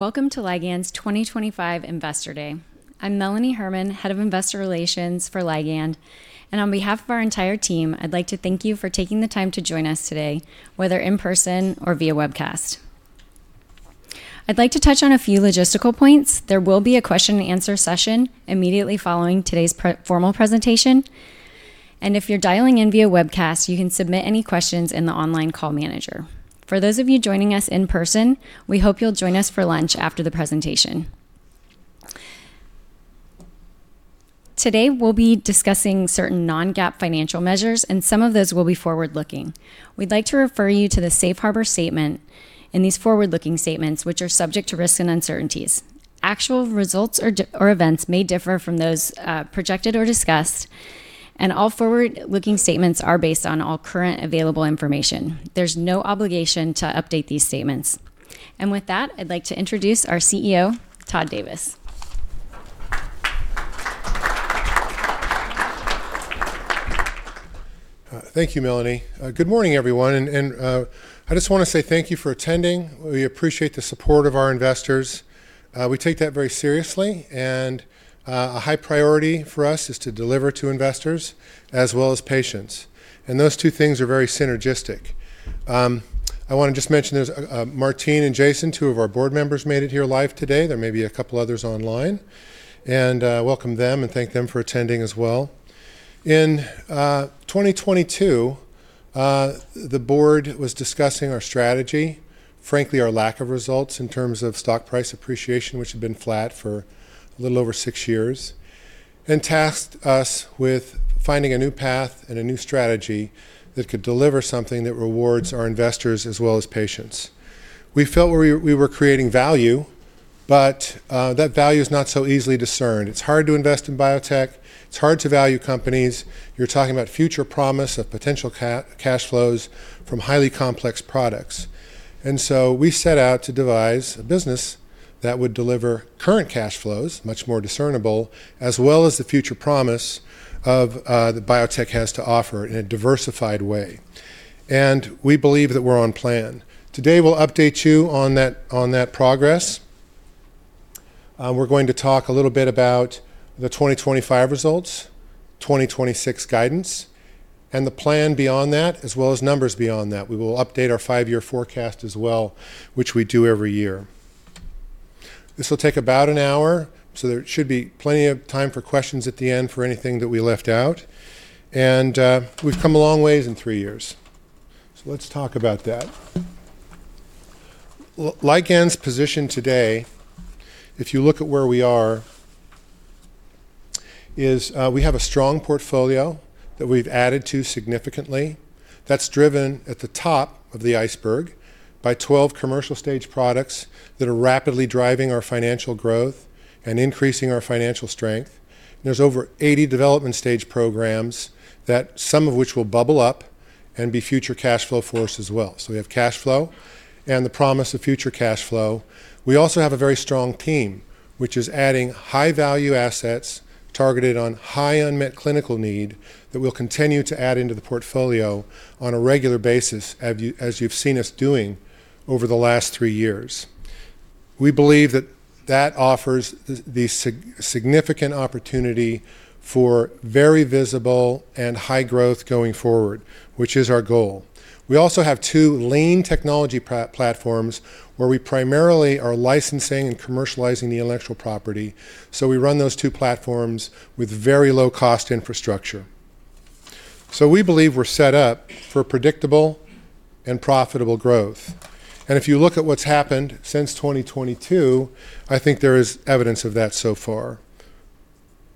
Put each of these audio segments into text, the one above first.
Welcome to Ligand's 2025 Investor Day. I'm Melanie Herman, Head of Investor Relations for Ligand, and on behalf of our entire team, I'd like to thank you for taking the time to join us today, whether in person or via webcast. I'd like to touch on a few logistical points. There will be a question-and-answer session immediately following today's formal presentation, and if you're dialing in via webcast, you can submit any questions in the online call manager. For those of you joining us in person, we hope you'll join us for lunch after the presentation. Today, we'll be discussing certain non-GAAP financial measures, and some of those will be forward-looking. We'd like to refer you to the Safe Harbor Statement and these forward-looking statements, which are subject to risk and uncertainties. Actual results or events may differ from those projected or discussed, and all forward-looking statements are based on all current available information. There's no obligation to update these statements. With that, I'd like to introduce our CEO, Todd Davis. Thank you, Melanie. Good morning, everyone, and I just want to say thank you for attending. We appreciate the support of our investors. We take that very seriously, and a high priority for us is to deliver to investors as well as patients. Those two things are very synergistic. I want to just mention there's Martine and Jason, two of our board members, made it here live today. There may be a couple others online, and welcome them and thank them for attending as well. In 2022, the board was discussing our strategy, frankly, our lack of results in terms of stock price appreciation, which had been flat for a little over six years, and tasked us with finding a new path and a new strategy that could deliver something that rewards our investors as well as patients. We felt we were creating value, but that value is not so easily discerned. It's hard to invest in biotech. It's hard to value companies. You're talking about future promise of potential cash flows from highly complex products. And so we set out to devise a business that would deliver current cash flows, much more discernible, as well as the future promise of the biotech has to offer in a diversified way. And we believe that we're on plan. Today, we'll update you on that progress. We're going to talk a little bit about the 2025 results, 2026 guidance, and the plan beyond that, as well as numbers beyond that. We will update our five-year forecast as well, which we do every year. This will take about an hour, so there should be plenty of time for questions at the end for anything that we left out. And we've come a long way in three years, so let's talk about that. Ligand's position today, if you look at where we are, is we have a strong portfolio that we've added to significantly. That's driven at the top of the iceberg by 12 commercial-stage products that are rapidly driving our financial growth and increasing our financial strength. There's over 80 development-stage programs that some of which will bubble up and be future cash flow for us as well. So we have cash flow and the promise of future cash flow. We also have a very strong team, which is adding high-value assets targeted on high unmet clinical need that we'll continue to add into the portfolio on a regular basis, as you've seen us doing over the last three years. We believe that that offers the significant opportunity for very visible and high growth going forward, which is our goal. We also have two lean technology platforms where we primarily are licensing and commercializing the intellectual property, so we run those two platforms with very low-cost infrastructure, so we believe we're set up for predictable and profitable growth, and if you look at what's happened since 2022, I think there is evidence of that so far.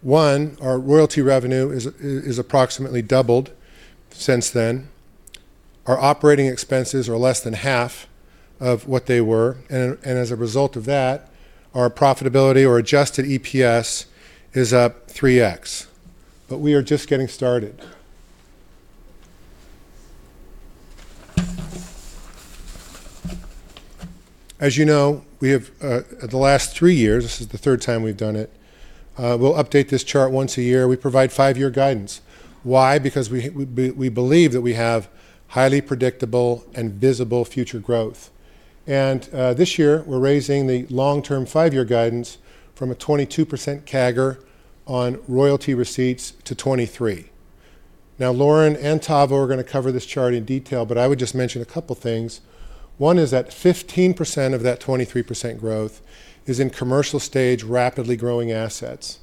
One, our royalty revenue is approximately doubled since then. Our operating expenses are less than half of what they were, and as a result of that, our profitability or adjusted EPS is up 3x, but we are just getting started. As you know, we have the last three years, this is the third time we've done it. We'll update this chart once a year. We provide five-year guidance. Why? Because we believe that we have highly predictable and visible future growth. This year, we're raising the long-term five-year guidance from a 22% CAGR on royalty receipts to 23%. Now, Lauren and Tavo are going to cover this chart in detail, but I would just mention a couple things. One is that 15% of that 23% growth is in commercial-stage rapidly growing assets.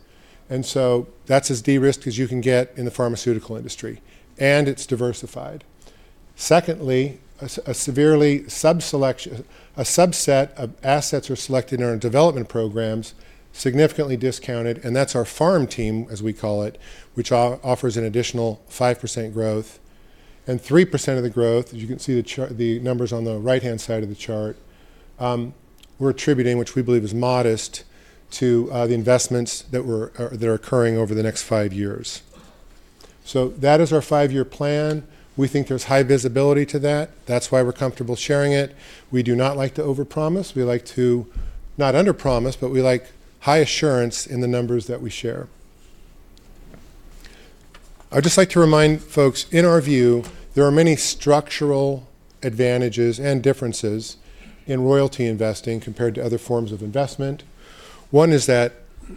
And so that's as de-risked as you can get in the pharmaceutical industry, and it's diversified. Secondly, a select subset of assets are selected in our development programs, significantly discounted, and that's our farm team, as we call it, which offers an additional 5% growth. And 3% of the growth, as you can see the numbers on the right-hand side of the chart, we're attributing, which we believe is modest, to the investments that are occurring over the next five years. So that is our five-year plan. We think there's high visibility to that. That's why we're comfortable sharing it. We do not like to overpromise. We like to not underpromise, but we like high assurance in the numbers that we share. I'd just like to remind folks, in our view, there are many structural advantages and differences in royalty investing compared to other forms of investment. One is that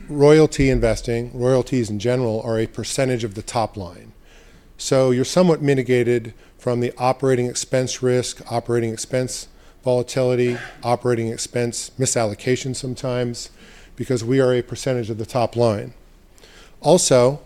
royalty investing, royalties in general, are a percentage of the top line. So you're somewhat mitigated from the operating expense risk, operating expense volatility, operating expense misallocation sometimes, because we are a percentage of the top line. Also,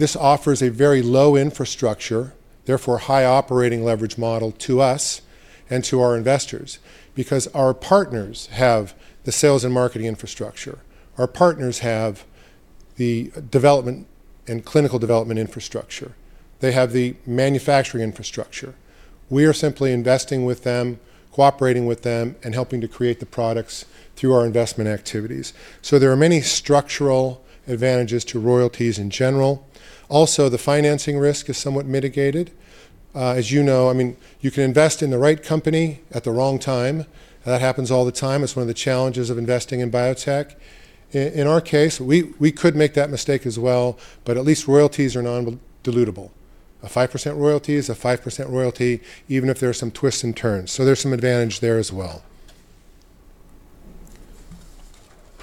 this offers a very low infrastructure, therefore high operating leverage model to us and to our investors, because our partners have the sales and marketing infrastructure. Our partners have the development and clinical development infrastructure. They have the manufacturing infrastructure. We are simply investing with them, cooperating with them, and helping to create the products through our investment activities. So there are many structural advantages to royalties in general. Also, the financing risk is somewhat mitigated. As you know, I mean, you can invest in the right company at the wrong time. That happens all the time. It's one of the challenges of investing in biotech. In our case, we could make that mistake as well, but at least royalties are non-dilutible. A 5% royalty is a 5% royalty, even if there are some twists and turns. So there's some advantage there as well.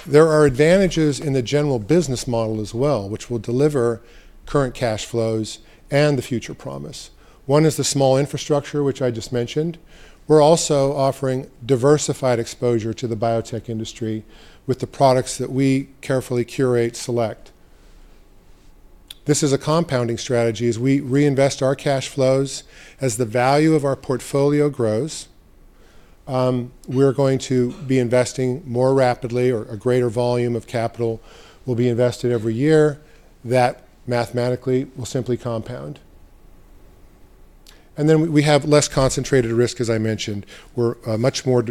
There are advantages in the general business model as well, which will deliver current cash flows and the future promise. One is the small infrastructure, which I just mentioned. We're also offering diversified exposure to the biotech industry with the products that we carefully curate, select. This is a compounding strategy. As we reinvest our cash flows, as the value of our portfolio grows, we're going to be investing more rapidly. A greater volume of capital will be invested every year. That mathematically will simply compound. And then we have less concentrated risk, as I mentioned. We're much more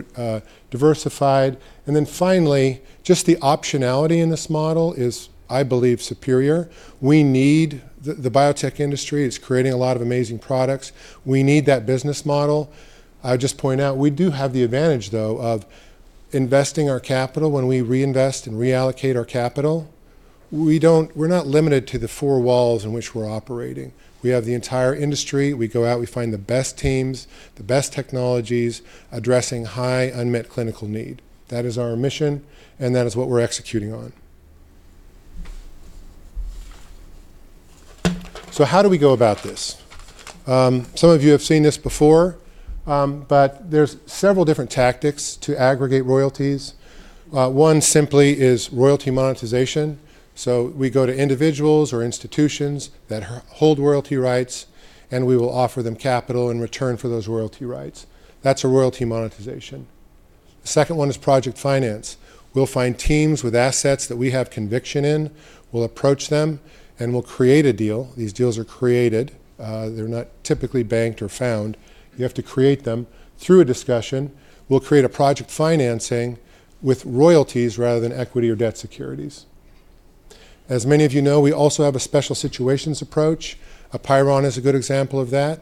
diversified. And then finally, just the optionality in this model is, I believe, superior. We need the biotech industry. It's creating a lot of amazing products. We need that business model. I would just point out we do have the advantage, though, of investing our capital when we reinvest and reallocate our capital. We're not limited to the four walls in which we're operating. We have the entire industry. We go out, we find the best teams, the best technologies addressing high unmet clinical need. That is our mission, and that is what we're executing on. So how do we go about this? Some of you have seen this before, but there's several different tactics to aggregate royalties. One simply is royalty monetization. So we go to individuals or institutions that hold royalty rights, and we will offer them capital in return for those royalty rights. That's a royalty monetization. The second one is project finance. We'll find teams with assets that we have conviction in. We'll approach them, and we'll create a deal. These deals are created. They're not typically banked or found. You have to create them through a discussion. We'll create a project financing with royalties rather than equity or debt securities. As many of you know, we also have a special situations approach. Apeiron is a good example of that.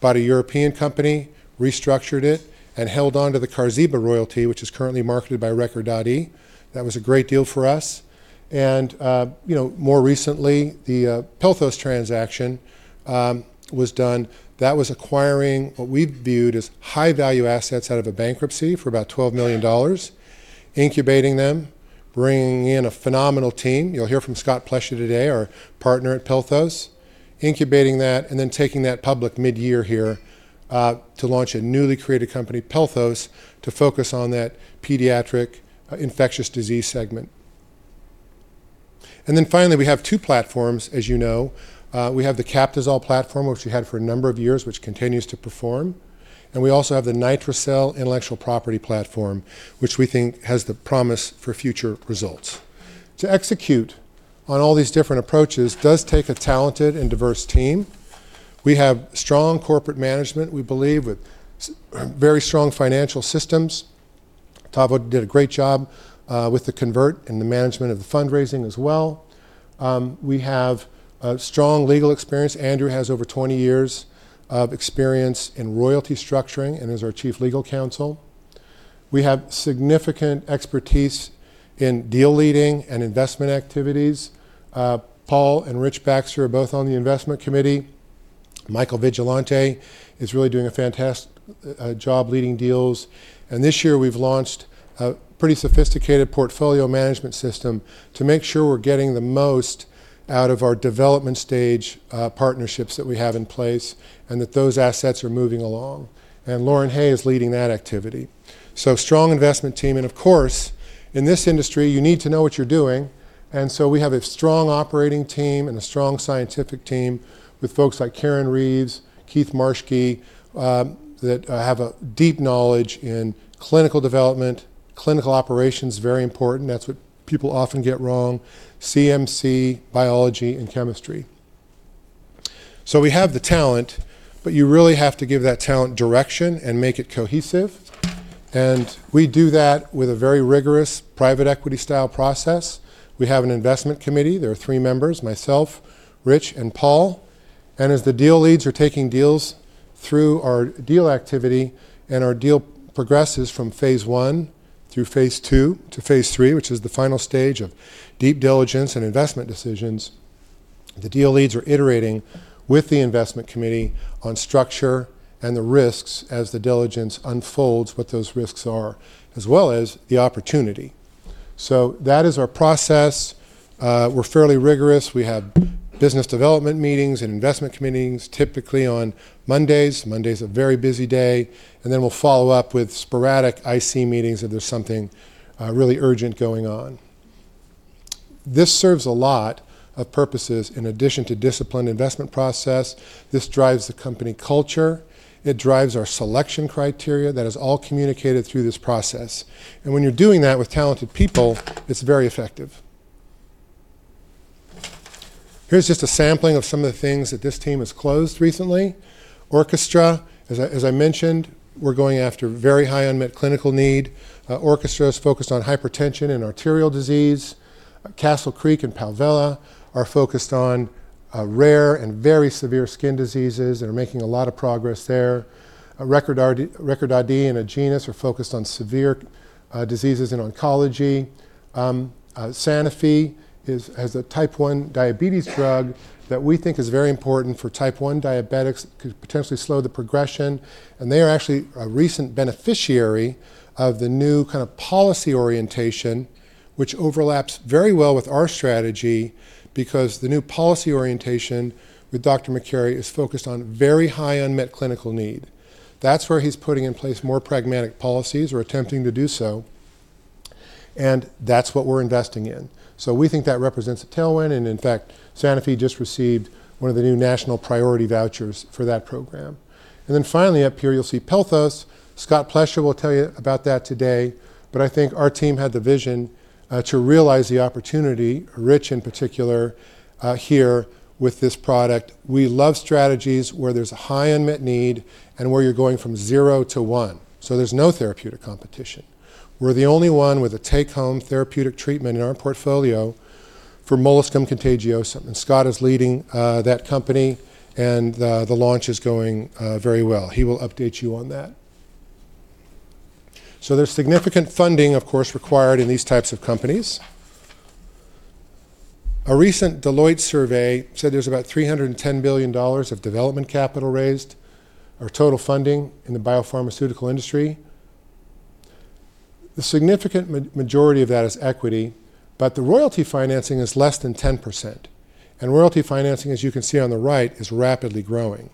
Bought a European company, restructured it, and held on to the Qarziba royalty, which is currently marketed by Recordati. That was a great deal for us, and more recently, the Pelthos transaction was done. That was acquiring what we viewed as high-value assets out of a bankruptcy for about $12 million, incubating them, bringing in a phenomenal team. You'll hear from Scott Plesha today, our partner at Pelthos, incubating that and then taking that public mid-year here to launch a newly created company, Pelthos, to focus on that pediatric infectious disease segment, and then finally, we have two platforms, as you know. We have the Captisol platform, which we had for a number of years, which continues to perform, and we also have the NITRICIL intellectual property platform, which we think has the promise for future results. To execute on all these different approaches does take a talented and diverse team. We have strong corporate management, we believe, with very strong financial systems. Tavo did a great job with the convert and the management of the fundraising as well. We have strong legal experience. Andrew has over 20 years of experience in royalty structuring and is our Chief Legal Counsel. We have significant expertise in deal leading and investment activities. Paul and Rich Baxter are both on the investment committee. Michael Vigilante is really doing a fantastic job leading deals, and this year, we've launched a pretty sophisticated portfolio management system to make sure we're getting the most out of our development-stage partnerships that we have in place and that those assets are moving along, and Lauren Hay is leading that activity, so strong investment team, and of course, in this industry, you need to know what you're doing. And so we have a strong operating team and a strong scientific team with folks like Karen Reeves, Keith Marschke that have a deep knowledge in clinical development. Clinical operations is very important. That's what people often get wrong: CMC, biology, and chemistry. So we have the talent, but you really have to give that talent direction and make it cohesive. And we do that with a very rigorous private equity-style process. We have an investment committee. There are three members: myself, Rich, and Paul. And as the deal leads are taking deals through our deal activity, and our deal progresses from Phase 1 through Phase 2 to Phase 3, which is the final stage of deep diligence and investment decisions, the deal leads are iterating with the investment committee on structure and the risks as the diligence unfolds what those risks are, as well as the opportunity. So that is our process. We're fairly rigorous. We have business development meetings and investment committees typically on Mondays. Monday's a very busy day. And then we'll follow up with sporadic IC meetings if there's something really urgent going on. This serves a lot of purposes in addition to disciplined investment process. This drives the company culture. It drives our selection criteria. That is all communicated through this process. And when you're doing that with talented people, it's very effective. Here's just a sampling of some of the things that this team has closed recently. Orchestra, as I mentioned, we're going after very high unmet clinical need. Orchestra is focused on hypertension and arterial disease. Castle Creek and Palvella are focused on rare and very severe skin diseases and are making a lot of progress there. Recordati and Agenus are focused on severe diseases in oncology. Sanofi has a type 1 diabetes drug that we think is very important for type 1 diabetics, could potentially slow the progression. They are actually a recent beneficiary of the new kind of policy orientation, which overlaps very well with our strategy because the new policy orientation with Dr. Makary is focused on very high unmet clinical need. That's where he's putting in place more pragmatic policies or attempting to do so. That's what we're investing in. We think that represents a tailwind. In fact, Sanofi just received one of the new national priority vouchers for that program. Then finally up here, you'll see Pelthos. Scott Plesha will tell you about that today. Our team had the vision to realize the opportunity, Rich in particular, here with this product. We love strategies where there's a high unmet need and where you're going from zero to one. So there's no therapeutic competition. We're the only one with a take-home therapeutic treatment in our portfolio for molluscum contagiosum. And Scott is leading that company, and the launch is going very well. He will update you on that. So there's significant funding, of course, required in these types of companies. A recent Deloitte survey said there's about $310 billion of development capital raised, our total funding in the biopharmaceutical industry. The significant majority of that is equity, but the royalty financing is less than 10%. And royalty financing, as you can see on the right, is rapidly growing.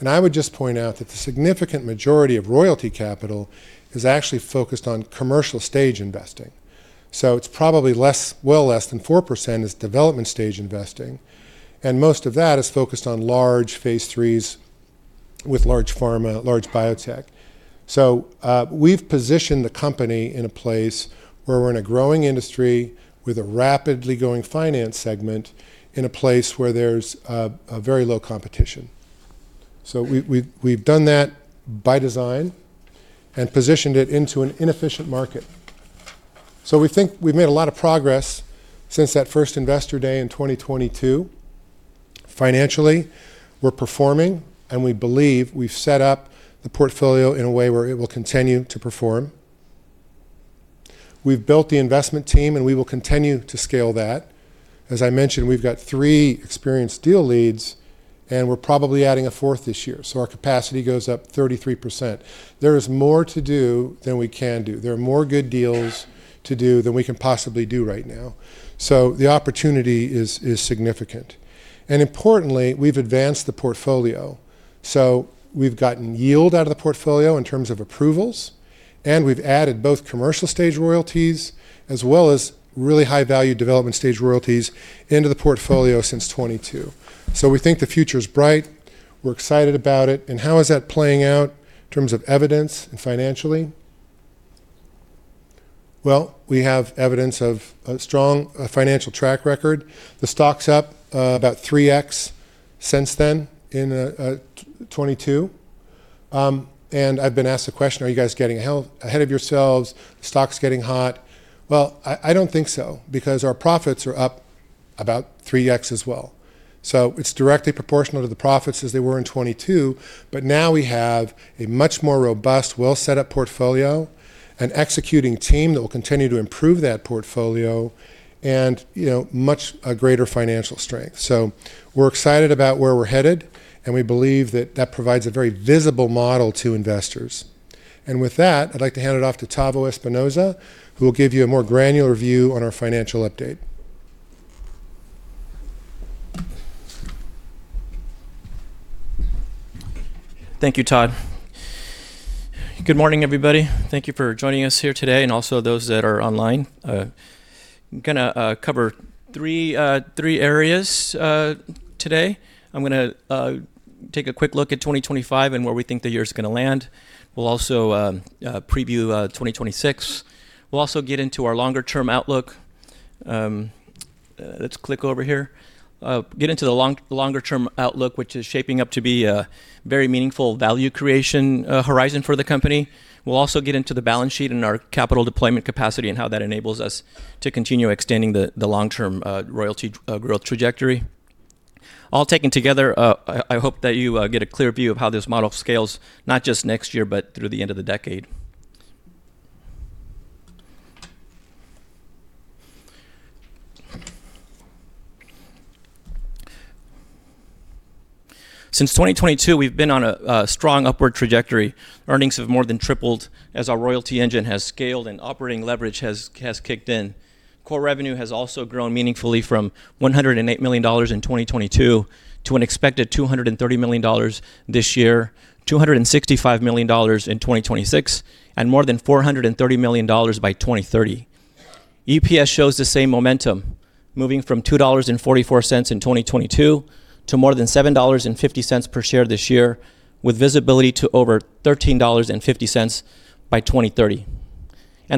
And I would just point out that the significant majority of royalty capital is actually focused on commercial-stage investing. So it's probably well less than 4% is development-stage investing. Most of that is focused on large Phase 3s with large pharma, large biotech. We've positioned the company in a place where we're in a growing industry with a rapidly growing finance segment in a place where there's very low competition. We've done that by design and positioned it into an inefficient market. We think we've made a lot of progress since that first investor day in 2022. Financially, we're performing, and we believe we've set up the portfolio in a way where it will continue to perform. We've built the investment team, and we will continue to scale that. As I mentioned, we've got three experienced deal leads, and we're probably adding a fourth this year. Our capacity goes up 33%. There is more to do than we can do. There are more good deals to do than we can possibly do right now. So the opportunity is significant. And importantly, we've advanced the portfolio. So we've gotten yield out of the portfolio in terms of approvals, and we've added both commercial-stage royalties as well as really high-value development-stage royalties into the portfolio since 2022. So we think the future is bright. We're excited about it. And how is that playing out in terms of evidence and financially? Well, we have evidence of a strong financial track record. The stock's up about 3x since then in 2022. And I've been asked the question, "Are you guys getting ahead of yourselves? The stock's getting hot." Well, I don't think so because our profits are up about 3x as well. So it's directly proportional to the profits as they were in 2022. But now we have a much more robust, well-set up portfolio, an executing team that will continue to improve that portfolio, and much greater financial strength. So we're excited about where we're headed, and we believe that that provides a very visible model to investors. And with that, I'd like to hand it off to Tavo Espinoza, who will give you a more granular view on our financial update. Thank you, Todd. Good morning, everybody. Thank you for joining us here today and also those that are online. I'm going to cover three areas today. I'm going to take a quick look at 2025 and where we think the year is going to land. We'll also preview 2026. We'll also get into our longer-term outlook. Let's click over here. Get into the longer-term outlook, which is shaping up to be a very meaningful value creation horizon for the company. We'll also get into the balance sheet and our capital deployment capacity and how that enables us to continue extending the long-term royalty growth trajectory. All taken together, I hope that you get a clear view of how this model scales, not just next year, but through the end of the decade. Since 2022, we've been on a strong upward trajectory. Earnings have more than tripled as our royalty engine has scaled and operating leverage has kicked in. Core revenue has also grown meaningfully from $108 million in 2022 to an expected $230 million this year, $265 million in 2026, and more than $430 million by 2030, and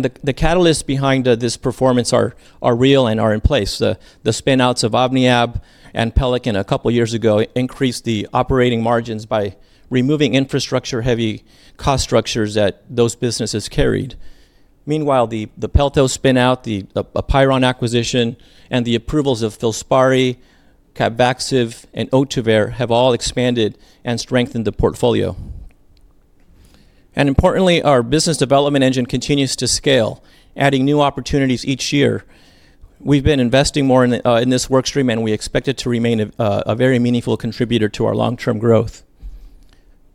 the catalysts behind this performance are real and are in place. The spinouts of OmniAb and Pelican a couple of years ago increased the operating margins by removing infrastructure-heavy cost structures that those businesses carried. Meanwhile, the Pelthos spinout, the Apeiron acquisition, and the approvals of Filspari, Capvaxive, and Ohtuvayre have all expanded and strengthened the portfolio, and importantly, our business development engine continues to scale, adding new opportunities each year. We've been investing more in this workstream, and we expect it to remain a very meaningful contributor to our long-term growth.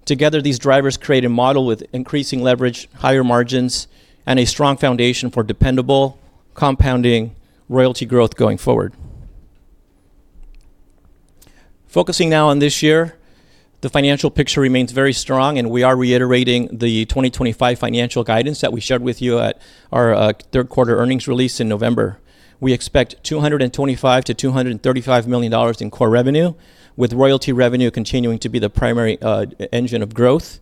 Together, these drivers create a model with increasing leverage, higher margins, and a strong foundation for dependable, compounding royalty growth going forward. Focusing now on this year, the financial picture remains very strong, and we are reiterating the 2025 financial guidance that we shared with you at our third-quarter earnings release in November. We expect $225 million-$235 million in core revenue, with royalty revenue continuing to be the primary engine of growth.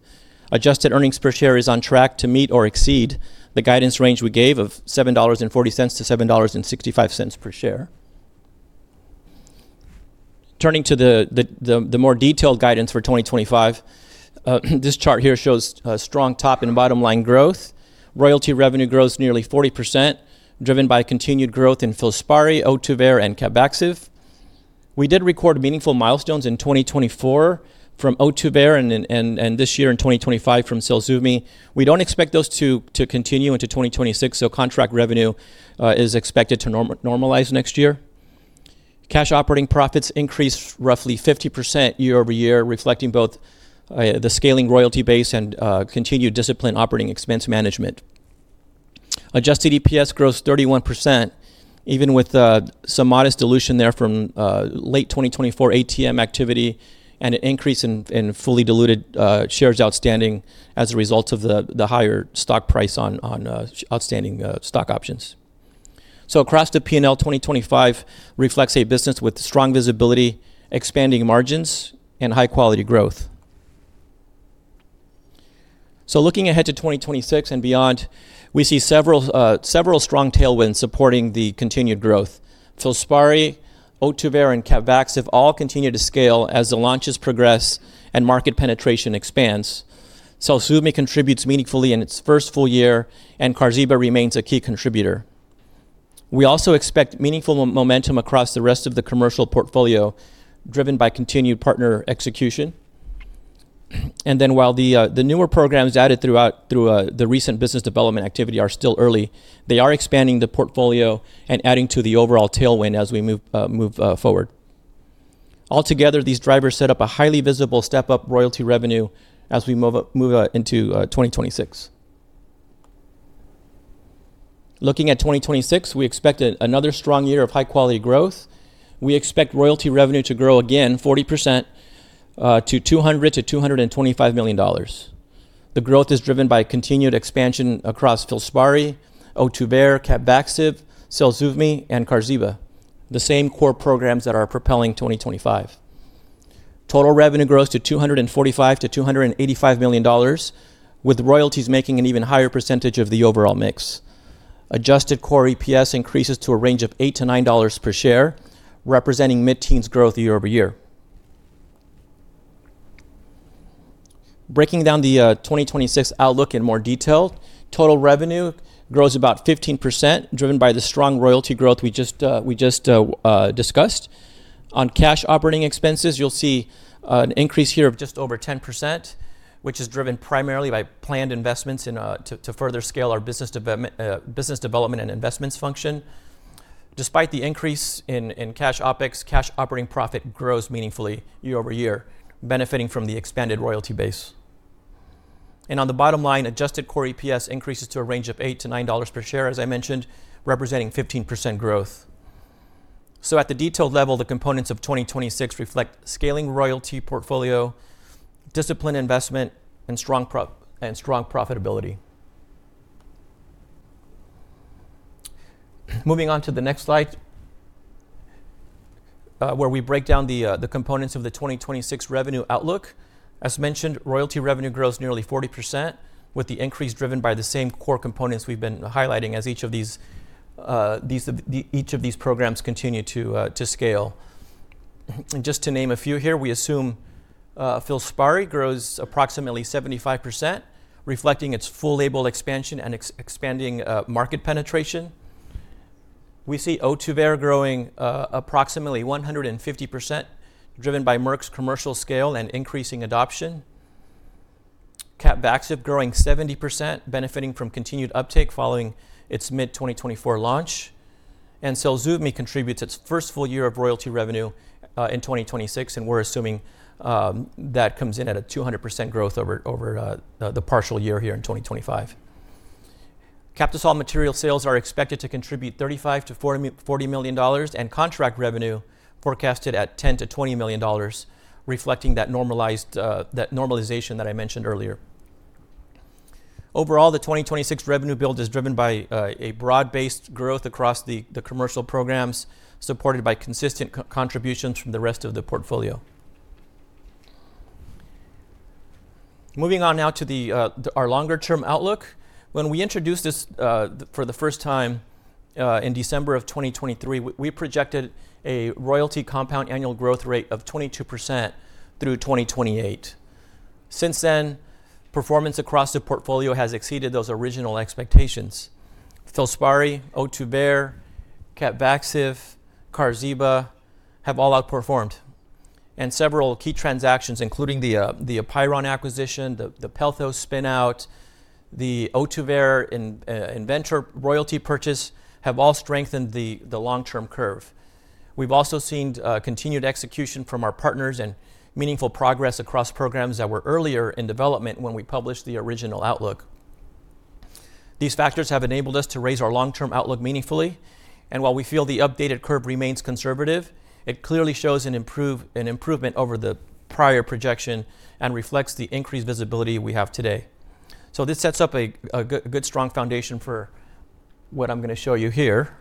Adjusted earnings per share is on track to meet or exceed the guidance range we gave of $7.40-$7.65 per share. Turning to the more detailed guidance for 2025, this chart here shows strong top and bottom line growth. Royalty revenue grows nearly 40%, driven by continued growth in Filspari, Ohtuvayre, and Capvaxive. We did record meaningful milestones in 2024 from Ohtuvayre and this year in 2025 from ZELSUVMI. We don't expect those to continue into 2026, so contract revenue is expected to normalize next year. Cash operating profits increased roughly 50% year-over-year, reflecting both the scaling royalty base and continued disciplined operating expense management. Adjusted EPS grows 31%, even with some modest dilution there from late 2024 ATM activity and an increase in fully diluted shares outstanding as a result of the higher stock price on outstanding stock options. So across the P&L, 2025 reflects a business with strong visibility, expanding margins, and high-quality growth. So looking ahead to 2026 and beyond, we see several strong tailwinds supporting the continued growth. Filspari, Ohtuvayre, and Capvaxive all continue to scale as the launches progress and market penetration expands. ZELSUVMI contributes meaningfully in its first full year, and Qarziba remains a key contributor. We also expect meaningful momentum across the rest of the commercial portfolio, driven by continued partner execution, and then while the newer programs added throughout the recent business development activity are still early, they are expanding the portfolio and adding to the overall tailwind as we move forward. Altogether, these drivers set up a highly visible step-up royalty revenue as we move into 2026. Looking at 2026, we expect another strong year of high-quality growth. We expect royalty revenue to grow again, 40%, to $200 million-$225 million. The growth is driven by continued expansion across Filspari, Ohtuvayre, Capvaxive, ZELSUVMI, and Qarziba, the same core programs that are propelling 2025. Total revenue grows to $245 million-$285 million, with royalties making an even higher percentage of the overall mix. Adjusted core EPS increases to a range of $8-$9 per share, representing mid-teens growth year-over-year. Breaking down the 2026 outlook in more detail, total revenue grows about 15%, driven by the strong royalty growth we just discussed. On cash operating expenses, you'll see an increase here of just over 10%, which is driven primarily by planned investments to further scale our business development and investments function. Despite the increase in cash OpEx, cash operating profit grows meaningfully year-over-year, benefiting from the expanded royalty base, and on the bottom line, adjusted core EPS increases to a range of $8-$9 per share, as I mentioned, representing 15% growth, so at the detailed level, the components of 2026 reflect scaling royalty portfolio, disciplined investment, and strong profitability. Moving on to the next slide, where we break down the components of the 2026 revenue outlook. As mentioned, royalty revenue grows nearly 40%, with the increase driven by the same core components we've been highlighting as each of these programs continue to scale. And just to name a few here, we assume Filspari grows approximately 75%, reflecting its full-label expansion and expanding market penetration. We see Ohtuvayre growing approximately 150%, driven by Merck's commercial scale and increasing adoption. Capvaxive growing 70%, benefiting from continued uptake following its mid-2024 launch. And ZELSUVMI contributes its first full year of royalty revenue in 2026, and we're assuming that comes in at a 200% growth over the partial year here in 2025. Captisol material sales are expected to contribute $35 million-$40 million, and contract revenue forecasted at $10 million-$20 million, reflecting that normalization that I mentioned earlier. Overall, the 2026 revenue build is driven by a broad-based growth across the commercial programs, supported by consistent contributions from the rest of the portfolio. Moving on now to our longer-term outlook. When we introduced this for the first time in December of 2023, we projected a royalty compound annual growth rate of 22% through 2028. Since then, performance across the portfolio has exceeded those original expectations. Filspari, Ohtuvayre, Capvaxive, Qarziba have all outperformed, and several key transactions, including the Apeiron acquisition, the Pelthos spinout, the Ohtuvayre investment royalty purchase, have all strengthened the long-term curve. We've also seen continued execution from our partners and meaningful progress across programs that were earlier in development when we published the original outlook. These factors have enabled us to raise our long-term outlook meaningfully. While we feel the updated curve remains conservative, it clearly shows an improvement over the prior projection and reflects the increased visibility we have today. So this sets up a good, strong foundation for what I'm going to show you here.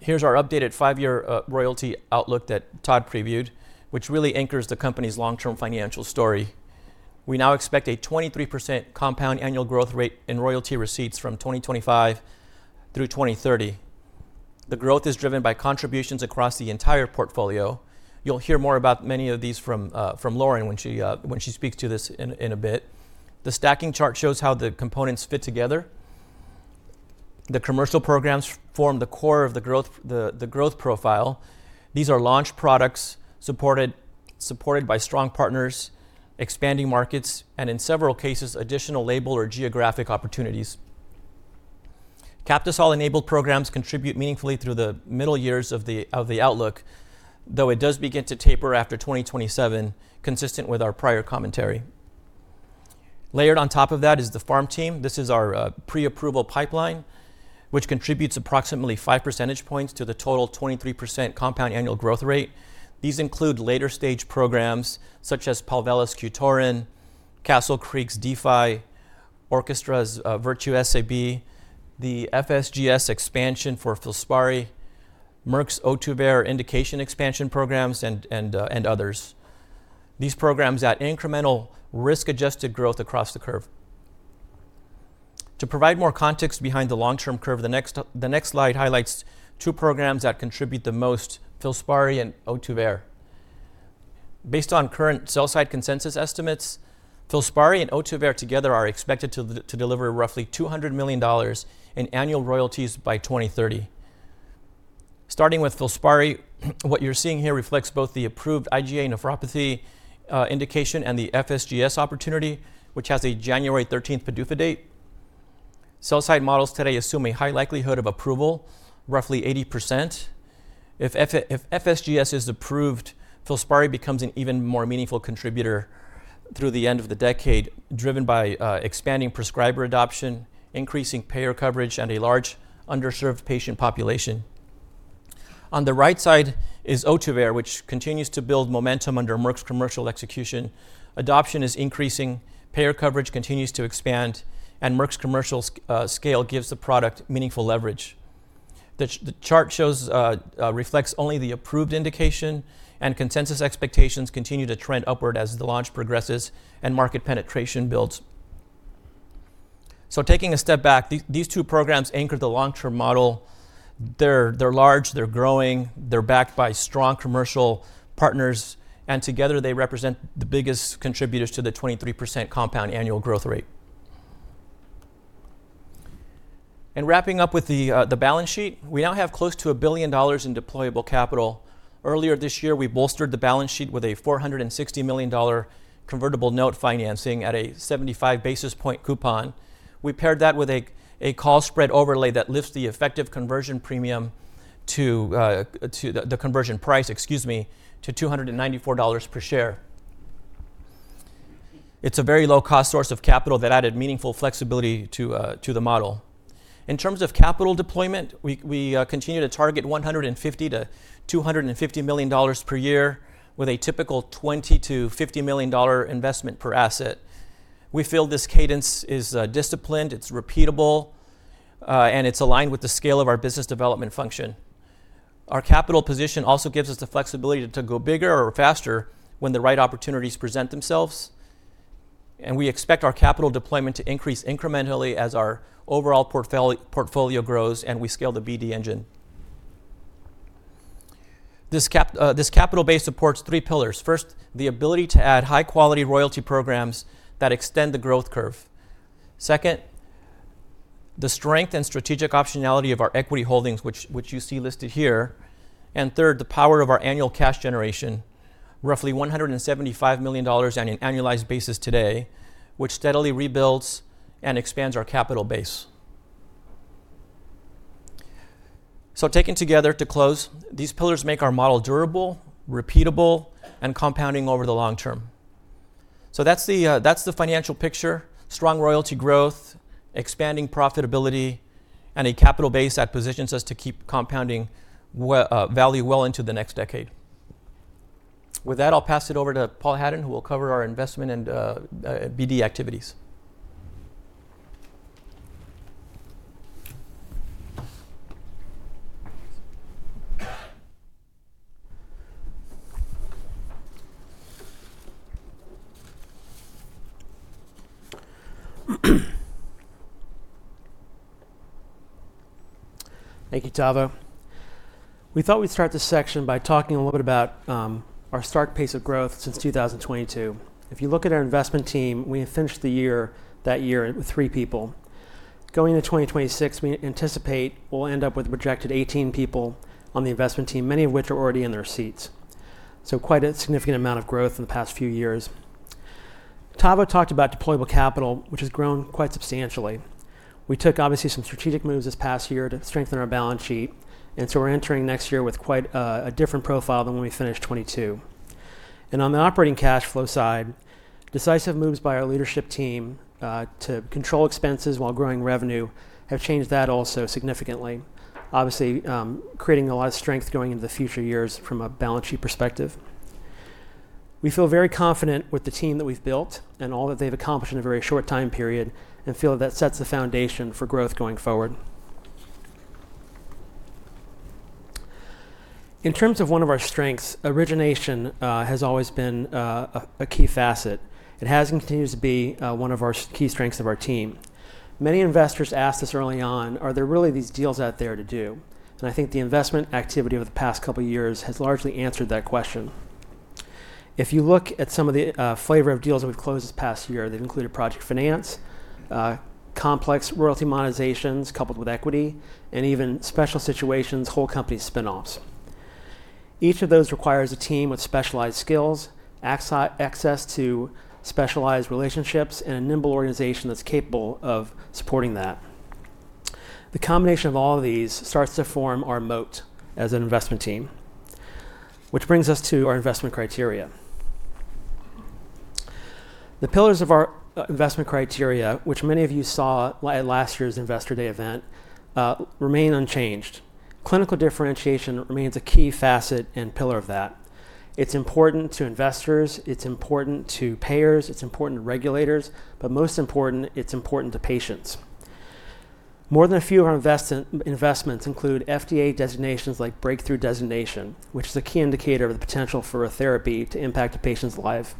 Here's our updated five-year royalty outlook that Todd previewed, which really anchors the company's long-term financial story. We now expect a 23% compound annual growth rate in royalty receipts from 2025 through 2030. The growth is driven by contributions across the entire portfolio. You'll hear more about many of these from Lauren when she speaks to this in a bit. The stacking chart shows how the components fit together. The commercial programs form the core of the growth profile. These are launch products supported by strong partners, expanding markets, and in several cases, additional label or geographic opportunities. Captisol-enabled programs contribute meaningfully through the middle years of the outlook, though it does begin to taper after 2027, consistent with our prior commentary. Layered on top of that is the farm team. This is our pre-approval pipeline, which contributes approximately 5 percentage points to the total 23% compound annual growth rate. These include later-stage programs such as Palvella's Qtorin, Castle Creek's D-Fi, Orchestra's Virtue SAB, the FSGS expansion for Filspari, Merck's Ohtuvayre Indication expansion programs, and others. These programs add incremental risk-adjusted growth across the curve. To provide more context behind the long-term curve, the next slide highlights two programs that contribute the most: Filspari and Ohtuvayre. Based on current sell-side consensus estimates, Filspari and Ohtuvayre together are expected to deliver roughly $200 million in annual royalties by 2030. Starting with Filspari, what you're seeing here reflects both the approved IgA nephropathy indication and the FSGS opportunity, which has a January 13th PDUFA date. Sell-side models today assume a high likelihood of approval, roughly 80%. If FSGS is approved, Filspari becomes an even more meaningful contributor through the end of the decade, driven by expanding prescriber adoption, increasing payer coverage, and a large underserved patient population. On the right side is Ohtuvayre, which continues to build momentum under Merck's commercial execution. Adoption is increasing, payer coverage continues to expand, and Merck's commercial scale gives the product meaningful leverage. The chart reflects only the approved indication, and consensus expectations continue to trend upward as the launch progresses and market penetration builds. So taking a step back, these two programs anchor the long-term model. They're large, they're growing, they're backed by strong commercial partners, and together they represent the biggest contributors to the 23% compound annual growth rate, and wrapping up with the balance sheet, we now have close to a billion dollars in deployable capital. Earlier this year, we bolstered the balance sheet with a $460 million convertible note financing at a 75 basis point coupon. We paired that with a call spread overlay that lifts the effective conversion premium to the conversion price, excuse me, to $294 per share. It's a very low-cost source of capital that added meaningful flexibility to the model. In terms of capital deployment, we continue to target $150 million-$250 million per year with a typical $20 million-$50 million investment per asset. We feel this cadence is disciplined, it's repeatable, and it's aligned with the scale of our business development function. Our capital position also gives us the flexibility to go bigger or faster when the right opportunities present themselves, and we expect our capital deployment to increase incrementally as our overall portfolio grows and we scale the BDengine. This capital base supports three pillars. First, the ability to add high-quality royalty programs that extend the growth curve. Second, the strength and strategic optionality of our equity holdings, which you see listed here, and third, the power of our annual cash generation, roughly $175 million on an annualized basis today, which steadily rebuilds and expands our capital base, so taken together to close, these pillars make our model durable, repeatable, and compounding over the long term, so that's the financial picture: strong royalty growth, expanding profitability, and a capital base that positions us to keep compounding value well into the next decade. With that, I'll pass it over to Paul Hadden, who will cover our investment and BD activities. Thank you, Tavo. We thought we'd start this section by talking a little bit about our stark pace of growth since 2022. If you look at our investment team, we finished that year with three people. Going into 2026, we anticipate we'll end up with a projected 18 people on the investment team, many of which are already in their seats. So quite a significant amount of growth in the past few years. Tavo talked about deployable capital, which has grown quite substantially. We took obviously some strategic moves this past year to strengthen our balance sheet, and so we're entering next year with quite a different profile than when we finished 2022. And on the operating cash flow side, decisive moves by our leadership team to control expenses while growing revenue have changed that also significantly, obviously creating a lot of strength going into the future years from a balance sheet perspective. We feel very confident with the team that we've built and all that they've accomplished in a very short time period, and feel that that sets the foundation for growth going forward. In terms of one of our strengths, origination has always been a key facet. It has and continues to be one of our key strengths of our team. Many investors asked us early on, "Are there really these deals out there to do?" And I think the investment activity over the past couple of years has largely answered that question. If you look at some of the flavor of deals we've closed this past year, they've included project finance, complex royalty monetizations coupled with equity, and even special situations, whole company spinoffs. Each of those requires a team with specialized skills, access to specialized relationships, and a nimble organization that's capable of supporting that. The combination of all of these starts to form our moat as an investment team, which brings us to our investment criteria. The pillars of our investment criteria, which many of you saw at last year's Investor Day event, remain unchanged. Clinical differentiation remains a key facet and pillar of that. It's important to investors, it's important to payers, it's important to regulators, but most important, it's important to patients. More than a few of our investments include FDA designations like breakthrough designation, which is a key indicator of the potential for a therapy to impact a patient's life.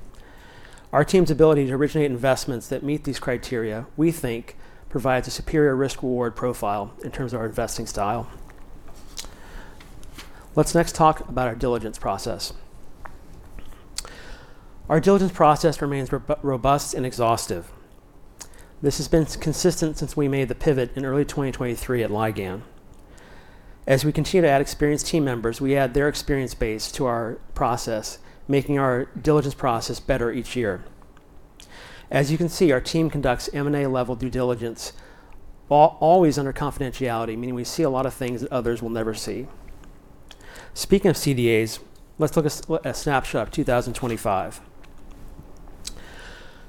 Our team's ability to originate investments that meet these criteria, we think, provides a superior risk-reward profile in terms of our investing style. Let's next talk about our diligence process. Our diligence process remains robust and exhaustive. This has been consistent since we made the pivot in early 2023 at Ligand. As we continue to add experienced team members, we add their experience base to our process, making our diligence process better each year. As you can see, our team conducts M&A-level due diligence, always under confidentiality, meaning we see a lot of things that others will never see. Speaking of CDAs, let's look at a snapshot of 2025.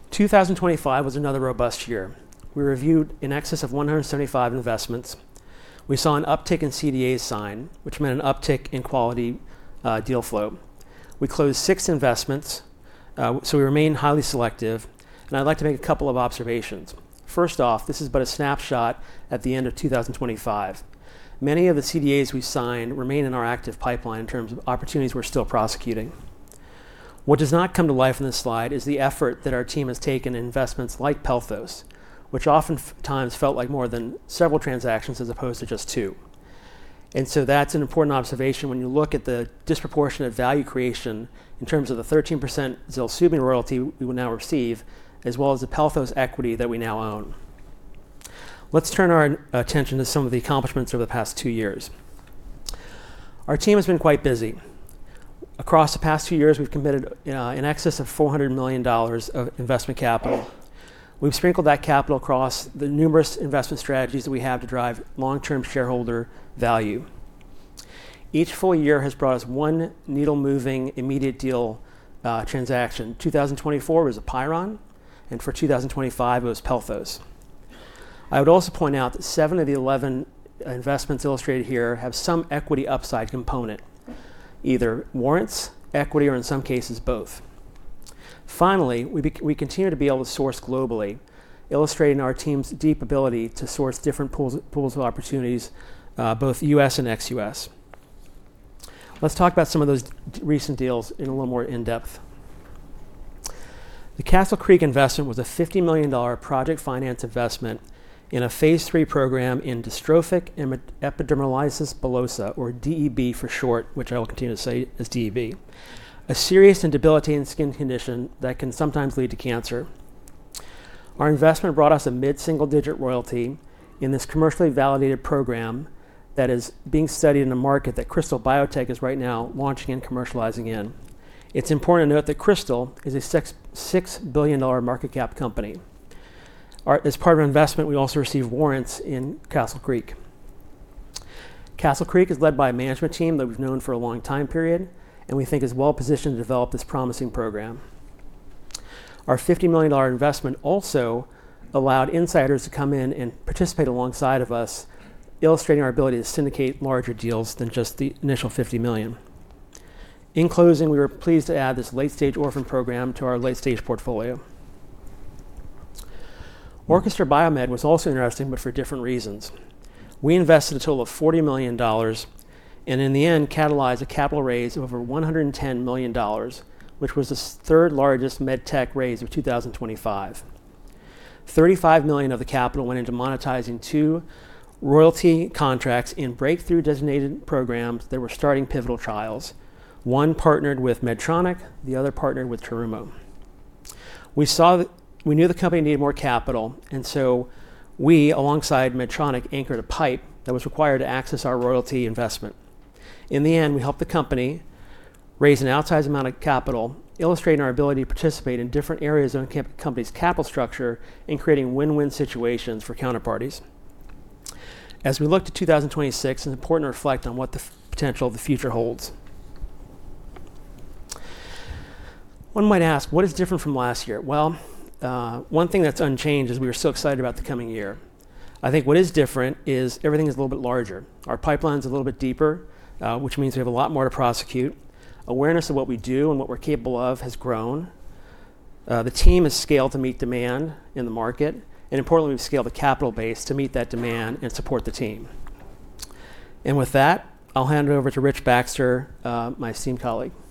2025 was another robust year. We reviewed an excess of 175 investments. We saw an uptick in CDAs signed, which meant an uptick in quality deal flow. We closed six investments, so we remain highly selective, and I'd like to make a couple of observations. First off, this is but a snapshot at the end of 2025. Many of the CDAs we signed remain in our active pipeline in terms of opportunities we're still prosecuting. What does not come to life in this slide is the effort that our team has taken in investments like Pelthos, which oftentimes felt like more than several transactions as opposed to just two, and so that's an important observation when you look at the disproportionate value creation in terms of the 13% ZELSUVMI royalty we will now receive, as well as the Pelthos equity that we now own. Let's turn our attention to some of the accomplishments over the past two years. Our team has been quite busy. Across the past two years, we've committed an excess of $400 million of investment capital. We've sprinkled that capital across the numerous investment strategies that we have to drive long-term shareholder value. Each full year has brought us one needle-moving immediate deal transaction. 2024 was Apeiron, and for 2025, it was Pelthos. I would also point out that seven of the 11 investments illustrated here have some equity upside component, either warrants, equity, or in some cases, both. Finally, we continue to be able to source globally, illustrating our team's deep ability to source different pools of opportunities, both U.S. and ex-US. Let's talk about some of those recent deals in a little more depth. The Castle Creek investment was a $50 million project finance investment in a Phase 3 program in dystrophic epidermolysis bullosa, or DEB for short, which I will continue to say is DEB, a serious and debilitating skin condition that can sometimes lead to cancer. Our investment brought us a mid-single-digit royalty in this commercially validated program that is being studied in a market that Krystal Biotech is right now launching and commercializing in. It's important to note that Krystal is a $6 billion market cap company. As part of our investment, we also received warrants in Castle Creek. Castle Creek is led by a management team that we've known for a long time period, and we think is well positioned to develop this promising program. Our $50 million investment also allowed insiders to come in and participate alongside of us, illustrating our ability to syndicate larger deals than just the initial $50 million. In closing, we were pleased to add this late-stage orphan program to our late-stage portfolio. Orchestra BioMed was also interesting, but for different reasons. We invested a total of $40 million and in the end catalyzed a capital raise of over $110 million, which was the third largest medtech raise of 2025. $35 million of the capital went into monetizing two royalty contracts in breakthrough designated programs that were starting pivotal trials. One partnered with Medtronic, the other partnered with Terumo. We knew the company needed more capital, and so we, alongside Medtronic, anchored a pipe that was required to access our royalty investment. In the end, we helped the company raise an outsized amount of capital, illustrating our ability to participate in different areas of the company's capital structure and creating win-win situations for counterparties. As we look to 2026, it's important to reflect on what the potential of the future holds. One might ask, what is different from last year? Well, one thing that's unchanged is we were so excited about the coming year. I think what is different is everything is a little bit larger. Our pipeline is a little bit deeper, which means we have a lot more to prosecute. Awareness of what we do and what we're capable of has grown. The team has scaled to meet demand in the market. And importantly, we've scaled the capital base to meet that demand and support the team. And with that, I'll hand it over to Rich Baxter, my esteemed colleague.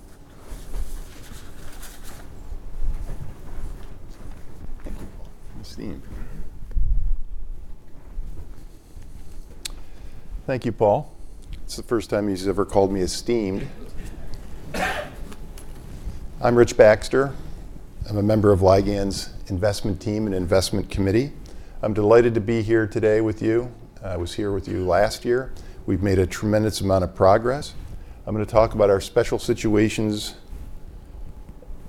Thank you, Paul. It's the first time he's ever called me esteemed. I'm Rich Baxter. I'm a member of Ligand's investment team and investment committee. I'm delighted to be here today with you. I was here with you last year. We've made a tremendous amount of progress. I'm going to talk about our special situations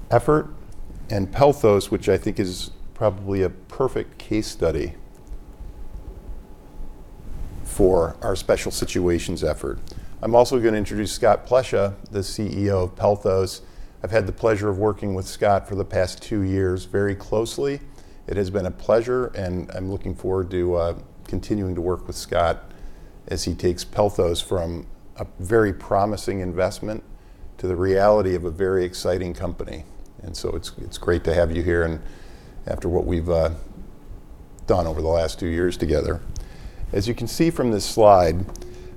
effort and Pelthos, which I think is probably a perfect case study for our special situations effort. I'm also going to introduce Scott Plesha, the CEO of Pelthos. I've had the pleasure of working with Scott for the past two years very closely. It has been a pleasure, and I'm looking forward to continuing to work with Scott as he takes Pelthos from a very promising investment to the reality of a very exciting company. And so it's great to have you here and after what we've done over the last two years together. As you can see from this slide,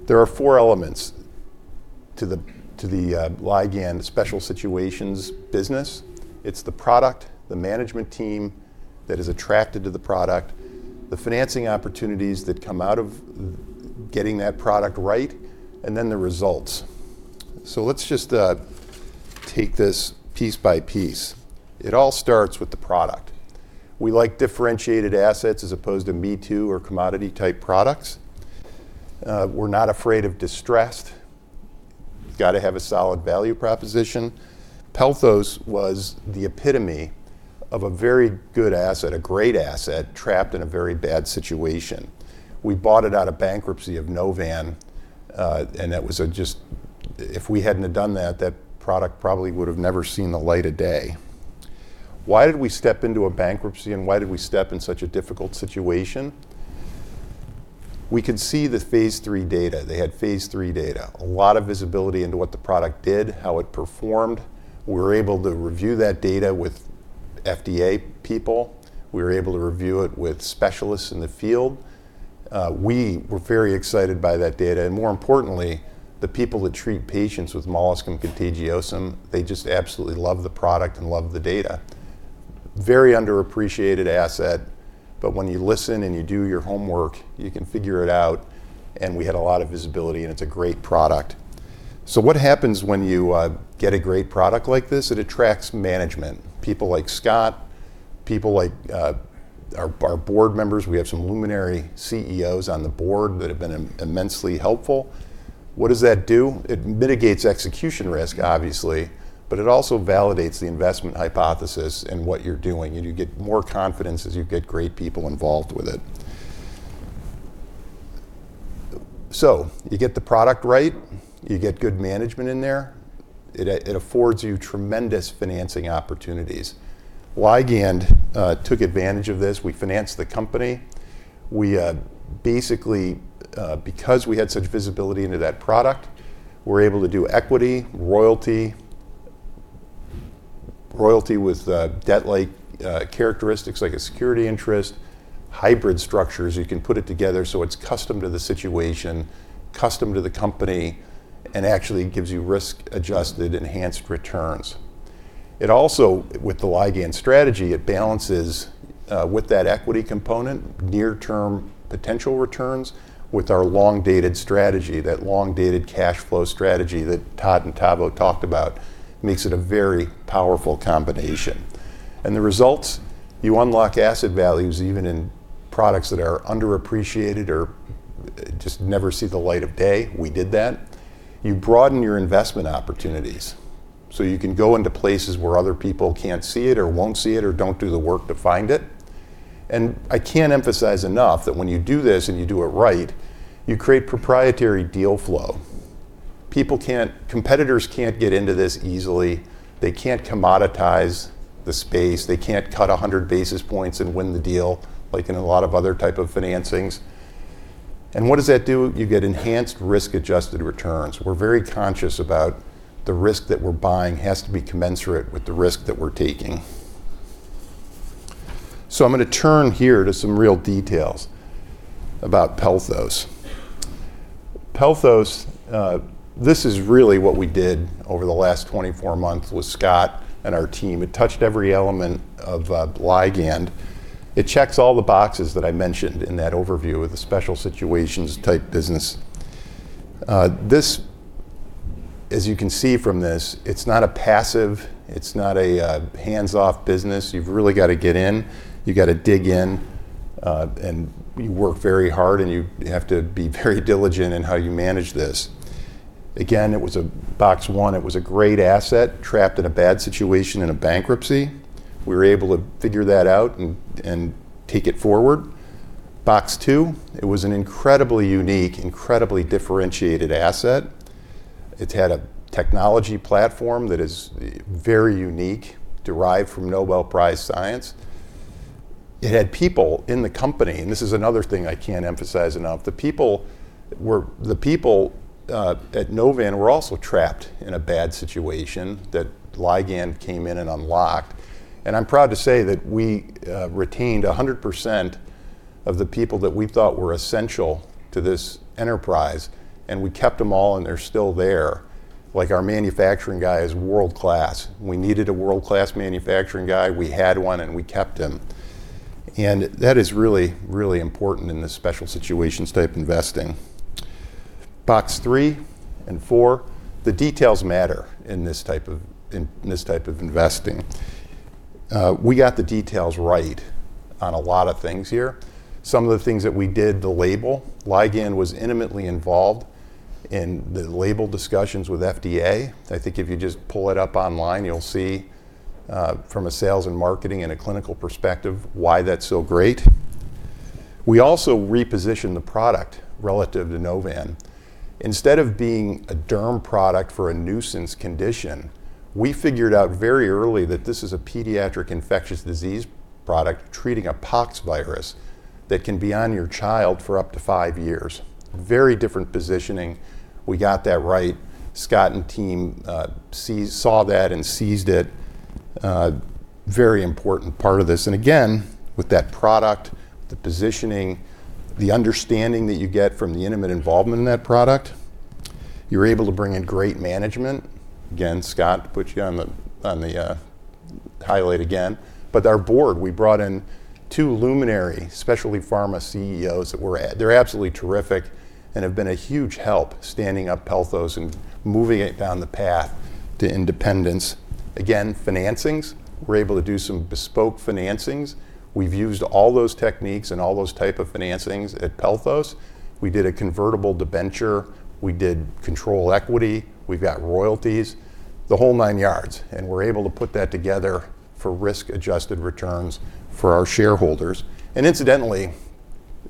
there are four elements to the Ligand special situations business. It's the product, the management team that is attracted to the product, the financing opportunities that come out of getting that product right, and then the results. So let's just take this piece by piece. It all starts with the product. We like differentiated assets as opposed to me-too or commodity-type products. We're not afraid of distressed. Got to have a solid value proposition. Pelthos was the epitome of a very good asset, a great asset trapped in a very bad situation. We bought it out of bankruptcy of Novan, and that was just if we hadn't done that, that product probably would have never seen the light of day. Why did we step into a bankruptcy, and why did we step in such a difficult situation? We could see the Phase 3 data. They had Phase 3 data, a lot of visibility into what the product did, how it performed. We were able to review that data with FDA people. We were able to review it with specialists in the field. We were very excited by that data. And more importantly, the people that treat patients with molluscum contagiosum, they just absolutely love the product and love the data. Very underappreciated asset, but when you listen and you do your homework, you can figure it out. And we had a lot of visibility, and it's a great product. So what happens when you get a great product like this? It attracts management, people like Scott, people like our board members. We have some luminary CEOs on the board that have been immensely helpful. What does that do? It mitigates execution risk, obviously, but it also validates the investment hypothesis and what you're doing, and you get more confidence as you get great people involved with it, so you get the product right, you get good management in there. It affords you tremendous financing opportunities. Ligand took advantage of this. We financed the company. We basically, because we had such visibility into that product, were able to do equity, royalty, royalty with debt-like characteristics like a security interest, hybrid structures. You can put it together so it's custom to the situation, custom to the company, and actually gives you risk-adjusted, enhanced returns. It also, with the Ligand strategy, it balances with that equity component, near-term potential returns with our long-dated strategy, that long-dated cash flow strategy that Todd and Tavo talked about, makes it a very powerful combination. The results, you unlock asset values even in products that are underappreciated or just never see the light of day. We did that. You broaden your investment opportunities so you can go into places where other people can't see it or won't see it or don't do the work to find it. I can't emphasize enough that when you do this and you do it right, you create proprietary deal flow. Competitors can't get into this easily. They can't commoditize the space. They can't cut 100 basis points and win the deal like in a lot of other types of financings. What does that do? You get enhanced risk-adjusted returns. We're very conscious about the risk that we're buying has to be commensurate with the risk that we're taking. So I'm going to turn here to some real details about Pelthos. Pelthos, this is really what we did over the last 24 months with Scott and our team. It touched every element of Ligand. It checks all the boxes that I mentioned in that overview of the special situations type business. This, as you can see from this, it's not a passive. It's not a hands-off business. You've really got to get in. You got to dig in, and you work very hard, and you have to be very diligent in how you manage this. Again, it was a box one. It was a great asset trapped in a bad situation in a bankruptcy. We were able to figure that out and take it forward. Box two, it was an incredibly unique, incredibly differentiated asset. It had a technology platform that is very unique, derived from Nobel Prize Science. It had people in the company, and this is another thing I can't emphasize enough. The people at Novan were also trapped in a bad situation that Ligand came in and unlocked. And I'm proud to say that we retained 100% of the people that we thought were essential to this enterprise, and we kept them all, and they're still there. Like our manufacturing guy is world-class. We needed a world-class manufacturing guy. We had one, and we kept him. And that is really, really important in this special situations type investing. Box three and four, the details matter in this type of investing. We got the details right on a lot of things here. Some of the things that we did, the label. Ligand was intimately involved in the label discussions with FDA. I think if you just pull it up online, you'll see from a sales and marketing and a clinical perspective why that's so great. We also repositioned the product relative to Novan. Instead of being a derm product for a nuisance condition, we figured out very early that this is a pediatric infectious disease product treating a pox virus that can be on your child for up to five years. Very different positioning. We got that right. Scott and team saw that and seized it. Very important part of this. And again, with that product, the positioning, the understanding that you get from the intimate involvement in that product, you're able to bring in great management. Again, Scott put you on the highlight again. But our board, we brought in two luminary specialty pharma CEOs that were at. They're absolutely terrific and have been a huge help standing up Pelthos and moving it down the path to independence. Again, financings, we're able to do some bespoke financings. We've used all those techniques and all those types of financings at Pelthos. We did a convertible debenture. We did control equity. We've got royalties, the whole nine yards. And we're able to put that together for risk-adjusted returns for our shareholders. And incidentally,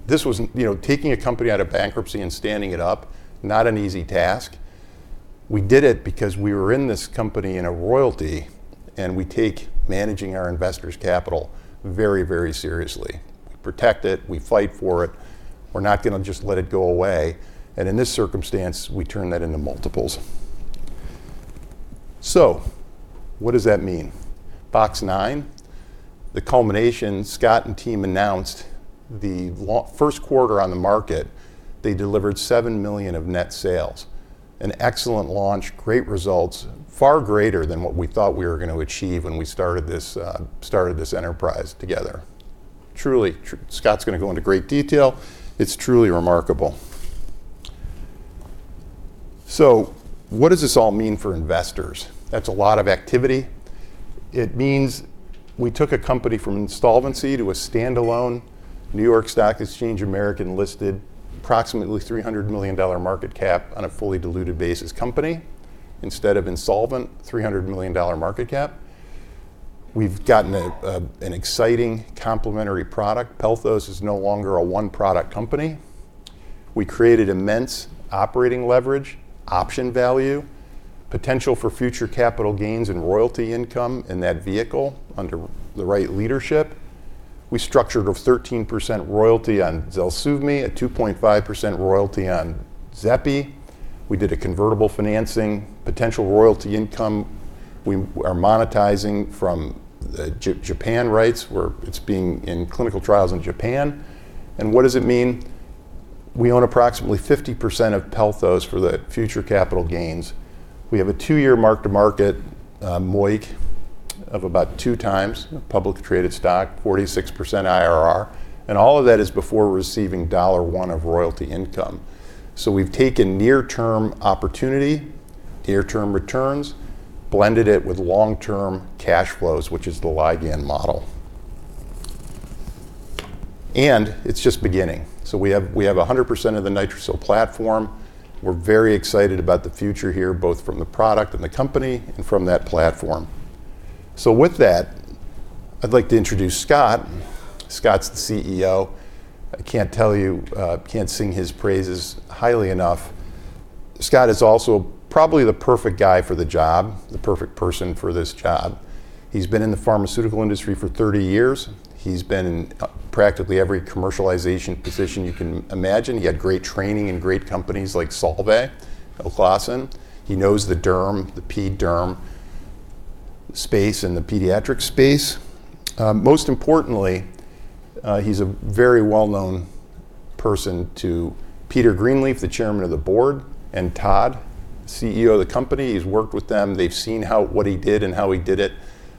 this was taking a company out of bankruptcy and standing it up, not an easy task. We did it because we were in this company in a royalty, and we take managing our investors' capital very, very seriously. We protect it. We fight for it. We're not going to just let it go away. And in this circumstance, we turn that into multiples. What does that mean? Box nine, the culmination. Scott and team announced the first quarter on the market. They delivered $7 million of net sales. An excellent launch, great results, far greater than what we thought we were going to achieve when we started this enterprise together. Truly, Scott's going to go into great detail. It's truly remarkable. What does this all mean for investors? That's a lot of activity. It means we took a company from insolvency to a standalone New York Stock Exchange American listed approximately $300 million market cap on a fully diluted basis company instead of insolvent, $300 million market cap. We've gotten an exciting complementary product. Pelthos is no longer a one-product company. We created immense operating leverage, option value, potential for future capital gains and royalty income in that vehicle under the right leadership. We structured a 13% royalty on ZELSUVMI at 2.5% royalty on Xepi. We did a convertible financing, potential royalty income. We are monetizing from Japan rights where it's being in clinical trials in Japan. And what does it mean? We own approximately 50% of Pelthos for the future capital gains. We have a two-year mark-to-market MOIC of about two times public traded stock, 46% IRR. And all of that is before receiving $1 of royalty income. So we've taken near-term opportunity, near-term returns, blended it with long-term cash flows, which is the Ligand model. And it's just beginning. So we have 100% of the NITRICIL platform. We're very excited about the future here, both from the product and the company and from that platform. So with that, I'd like to introduce Scott. Scott's the CEO. I can't tell you, can't sing his praises highly enough. Scott is also probably the perfect guy for the job, the perfect person for this job. He's been in the pharmaceutical industry for 30 years. He's been in practically every commercialization position you can imagine. He had great training in great companies like Solvay, Oclassen. He knows the derm, the PDERM space and the pediatric space. Most importantly, he's a very well-known person to Peter Greenleaf, the Chairman of the Board, and Todd, CEO of the company. He's worked with them. They've seen what he did and how he did it.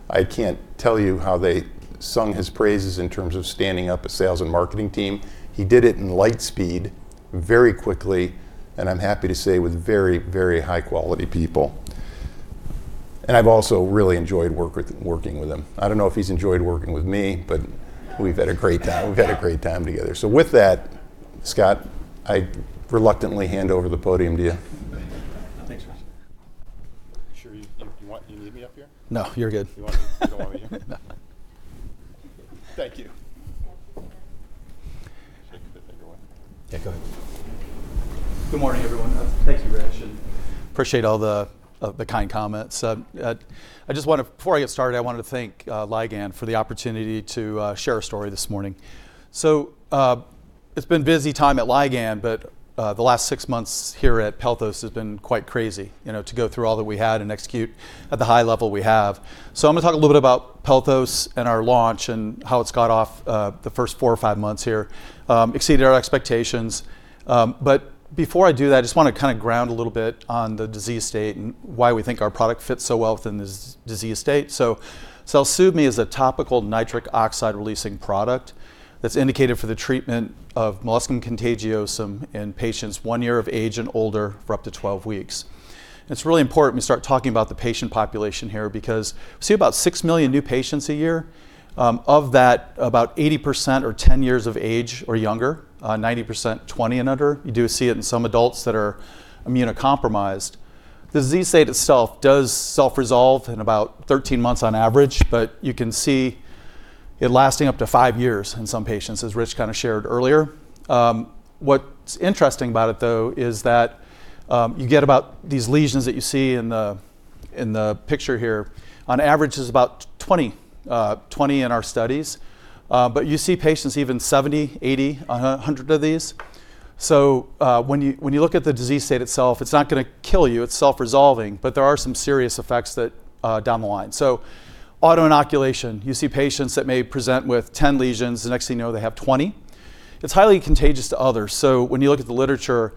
I can't tell you how they sung his praises in terms of standing up a sales and marketing team. He did it in light speed, very quickly, and I'm happy to say with very, very high-quality people, and I've also really enjoyed working with him. I don't know if he's enjoyed working with me, but we've had a great time. We've had a great time together. So with that, Scott, I reluctantly hand over the podium to you. Thanks, Rich. Sure. You need me up here? No, you're good. You don't want me here? No. Thank you. Yeah, go ahead. Good morning, everyone. Thank you, Rich. Appreciate all the kind comments. I just want to, before I get started, I wanted to thank Ligand for the opportunity to share a story this morning. So it's been a busy time at Ligand, but the last six months here at Pelthos has been quite crazy to go through all that we had and execute at the high level we have. So I'm going to talk a little bit about Pelthos and our launch and how it's got off the first four or five months here. Exceeded our expectations. But before I do that, I just want to kind of ground a little bit on the disease state and why we think our product fits so well within this disease state. So ZELSUVMI is a topical nitric oxide releasing product that's indicated for the treatment of molluscum contagiosum in patients one year of age and older for up to 12 weeks. It's really important we start talking about the patient population here because we see about six million new patients a year. Of that, about 80% are 10 years of age or younger, 90%, 20% and under. You do see it in some adults that are immunocompromised. The disease state itself does self-resolve in about 13 months on average, but you can see it lasting up to five years in some patients, as Rich kind of shared earlier. What's interesting about it, though, is that you get about these lesions that you see in the picture here. On average, it's about 20 in our studies. But you see patients even 70, 80, or 100 of these. So when you look at the disease state itself, it's not going to kill you. It's self-resolving, but there are some serious effects down the line. So autoinoculation, you see patients that may present with 10 lesions. The next thing you know, they have 20. It's highly contagious to others. So when you look at the literature,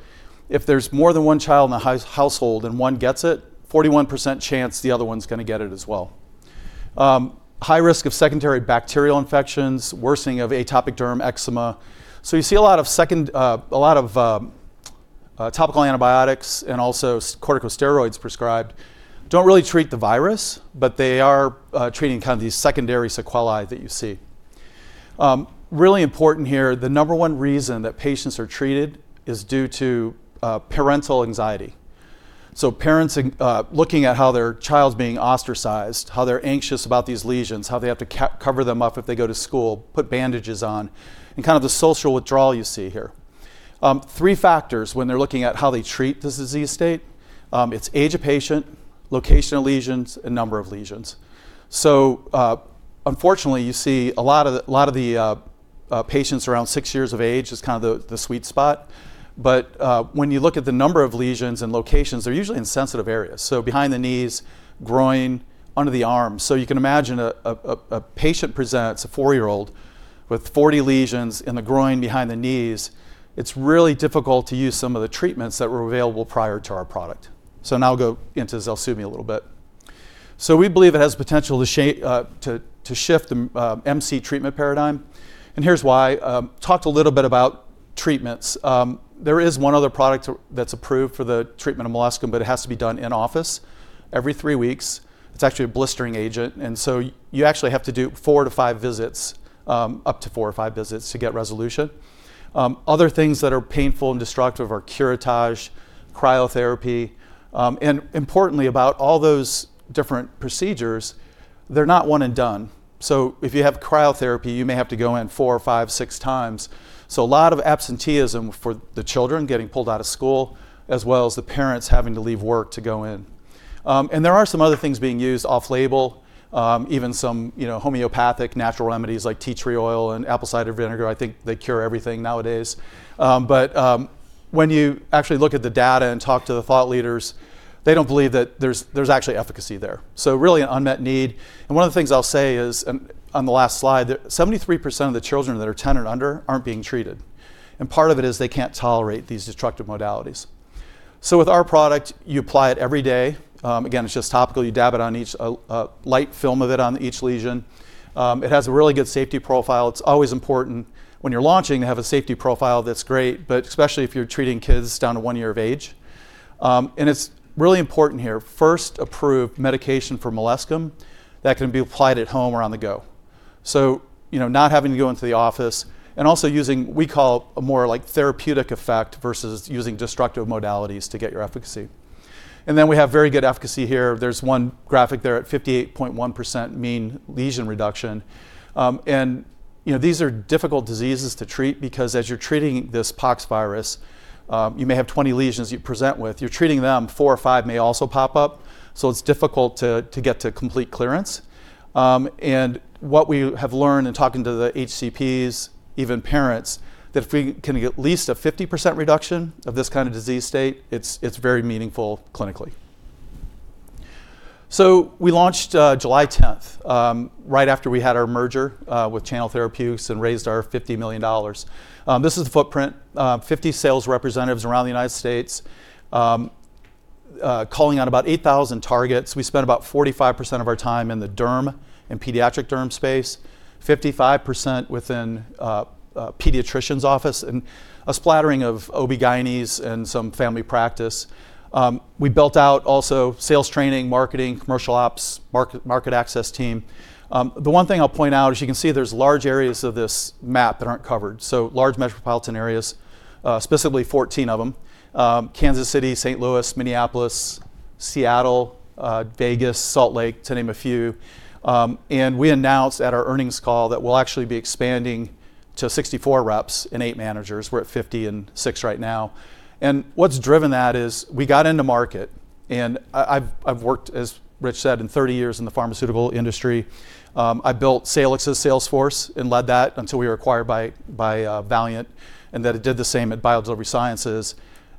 if there's more than one child in the household and one gets it, 41% chance the other one's going to get it as well. High risk of secondary bacterial infections, worsening of atopic dermatitis eczema. So you see a lot of topical antibiotics and also corticosteroids prescribed. Don't really treat the virus, but they are treating kind of these secondary sequelae that you see. Really important here, the number one reason that patients are treated is due to parental anxiety. So parents looking at how their child's being ostracized, how they're anxious about these lesions, how they have to cover them up if they go to school, put bandages on, and kind of the social withdrawal you see here. Three factors when they're looking at how they treat this disease state. It's age of patient, location of lesions, and number of lesions. So unfortunately, you see a lot of the patients around six years of age is kind of the sweet spot. But when you look at the number of lesions and locations, they're usually in sensitive areas. So behind the knees, groin, under the arms. You can imagine a patient presents, a four-year-old, with 40 lesions in the groin, behind the knees. It's really difficult to use some of the treatments that were available prior to our product. Now I'll go into ZELSUVMI a little bit. We believe it has the potential to shift the MC treatment paradigm. Here's why. Talked a little bit about treatments. There is one other product that's approved for the treatment of molluscum, but it has to be done in office every three weeks. It's actually a blistering agent. You actually have to do four to five visits, up to four or five visits to get resolution. Other things that are painful and destructive are curettage, cryotherapy. Importantly, about all those different procedures, they're not one and done. If you have cryotherapy, you may have to go in four, five, six times. So a lot of absenteeism for the children getting pulled out of school, as well as the parents having to leave work to go in. And there are some other things being used off-label, even some homeopathic natural remedies like tea tree oil and apple cider vinegar. I think they cure everything nowadays. But when you actually look at the data and talk to the thought leaders, they don't believe that there's actually efficacy there. So really an unmet need. And one of the things I'll say is on the last slide, 73% of the children that are 10 and under aren't being treated. And part of it is they can't tolerate these destructive modalities. So with our product, you apply it every day. Again, it's just topical. You dab it on, each light film of it on each lesion. It has a really good safety profile. It's always important when you're launching to have a safety profile that's great, but especially if you're treating kids down to one year of age. And it's really important here. First approved medication for molluscum that can be applied at home or on the go. So not having to go into the office and also using what we call a more therapeutic effect versus using destructive modalities to get your efficacy. And then we have very good efficacy here. There's one graphic there at 58.1% mean lesion reduction. And these are difficult diseases to treat because as you're treating this pox virus, you may have 20 lesions you present with. You're treating them. Four or five may also pop up. So it's difficult to get to complete clearance. What we have learned in talking to the HCPs, even parents, that if we can get at least a 50% reduction of this kind of disease state, it's very meaningful clinically. We launched July 10th, right after we had our merger with Channel Therapeutics and raised our $50 million. This is the footprint, 50 sales representatives around the United States calling on about 8,000 targets. We spent about 45% of our time in the derm and pediatric derm space, 55% within pediatricians' office, and a smattering of OB/GYNs and some family practice. We built out also sales training, marketing, commercial ops, market access team. The one thing I'll point out is you can see there's large areas of this map that aren't covered. Large metropolitan areas, specifically 14 of them: Kansas City, St. Louis, Minneapolis, Seattle, Las Vegas, Salt Lake City, to name a few. We announced at our earnings call that we'll actually be expanding to 64 reps and eight managers. We're at 50 and six right now. What's driven that is we got into market. I've worked, as Rich said, for thirty years in the pharmaceutical industry. I built Salix's sales force and led that until we were acquired by Valeant and then did the same at BioDelivery Sciences.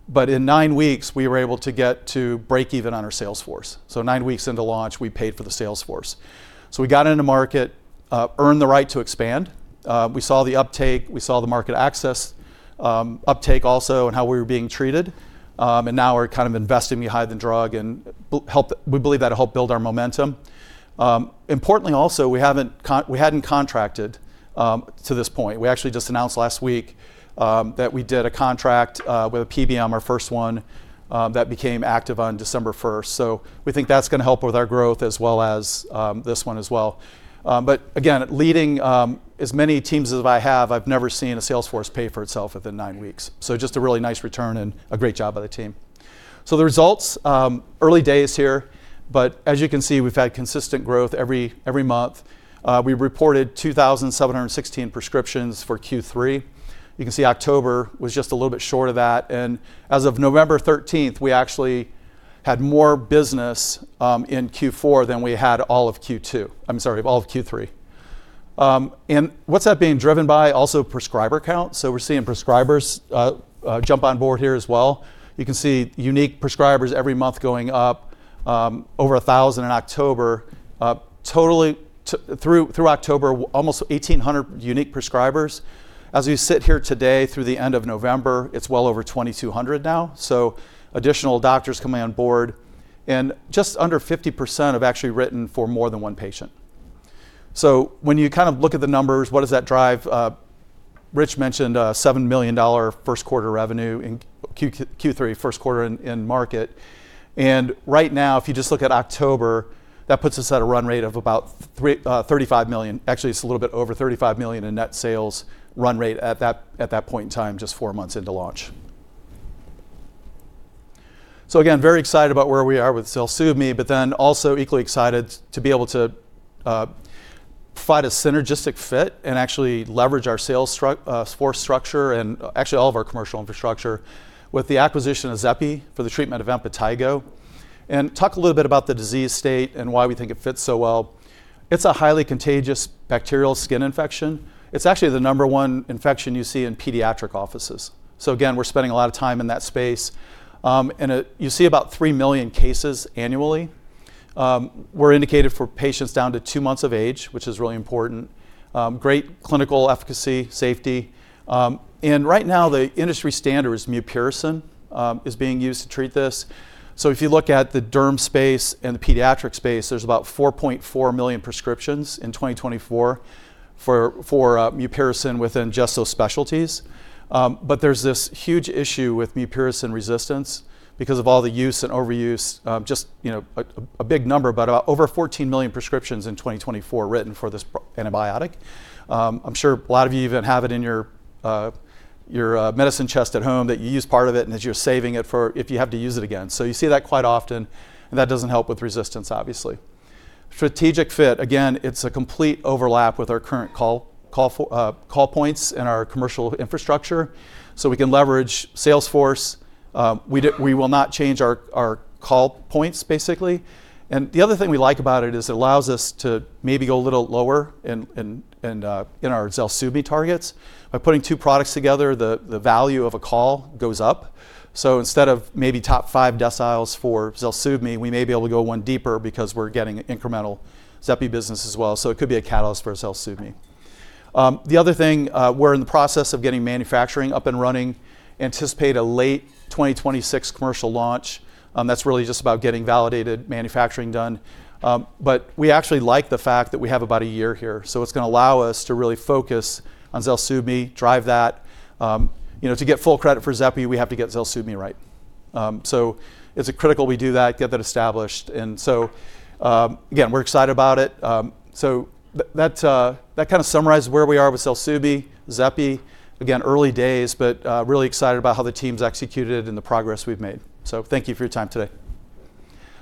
But in nine weeks, we were able to get to break even on our sales force. So nine weeks into launch, we paid for the sales force. We got into market, earned the right to expand. We saw the uptake. We saw the market access uptake also and how we were being treated. Now we're kind of investing behind the drug, and we believe that'll help build our momentum. Importantly also, we hadn't contracted to this point. We actually just announced last week that we did a contract with a PBM, our first one, that became active on December 1st. So we think that's going to help with our growth as well as this one as well. But again, leading as many teams as I have, I've never seen a Salesforce pay for itself within nine weeks. So just a really nice return and a great job by the team. So the results, early days here, but as you can see, we've had consistent growth every month. We reported 2,716 prescriptions for Q3. You can see October was just a little bit short of that. And as of November 13th, we actually had more business in Q4 than we had all of Q2. I'm sorry, all of Q3. And what's that being driven by? Also prescriber count. So we're seeing prescribers jump on board here as well. You can see unique prescribers every month going up, over 1,000 in October. Through October, almost 1,800 unique prescribers. As we sit here today, through the end of November, it's well over 2,200 now. So additional doctors coming on board. And just under 50% have actually written for more than one patient. So when you kind of look at the numbers, what does that drive? Rich mentioned $7 million first quarter revenue in Q3, first quarter in market. And right now, if you just look at October, that puts us at a run rate of about $35 million. Actually, it's a little bit over $35 million in net sales run rate at that point in time, just four months into launch. So again, very excited about where we are with ZELSUVMI, but then also equally excited to be able to provide a synergistic fit and actually leverage our sales force structure and actually all of our commercial infrastructure with the acquisition of Xepi for the treatment of impetigo. And talk a little bit about the disease state and why we think it fits so well. It's a highly contagious bacterial skin infection. It's actually the number one infection you see in pediatric offices. So again, we're spending a lot of time in that space. And you see about 3 million cases annually. We're indicated for patients down to two months of age, which is really important. Great clinical efficacy, safety. And right now, the industry standard is mupirocin is being used to treat this. So if you look at the derm space and the pediatric space, there's about 4.4 million prescriptions in 2024 for mupirocin within these specialties. But there's this huge issue with mupirocin resistance because of all the use and overuse, just a big number, but about over 14 million prescriptions in 2024 written for this antibiotic. I'm sure a lot of you even have it in your medicine chest at home that you use part of it and that you're saving it for if you have to use it again. So you see that quite often. And that doesn't help with resistance, obviously. Strategic fit. Again, it's a complete overlap with our current call points and our commercial infrastructure. So we can leverage sales force. We will not change our call points, basically. And the other thing we like about it is it allows us to maybe go a little lower in our ZELSUVMI targets. By putting two products together, the value of a call goes up. So instead of maybe top five deciles for ZELSUVMI, we may be able to go one deeper because we're getting incremental Xepi business as well. So it could be a catalyst for ZELSUVMI. The other thing, we're in the process of getting manufacturing up and running. Anticipate a late 2026 commercial launch. That's really just about getting validated manufacturing done. But we actually like the fact that we have about a year here. So it's going to allow us to really focus on ZELSUVMI, drive that. To get full credit for Xepi, we have to get ZELSUVMI right. So it's critical we do that, get that established. And so again, we're excited about it. So that kind of summarizes where we are with ZELSUVMI, Xepi. Again, early days, but really excited about how the team's executed and the progress we've made. So thank you for your time today.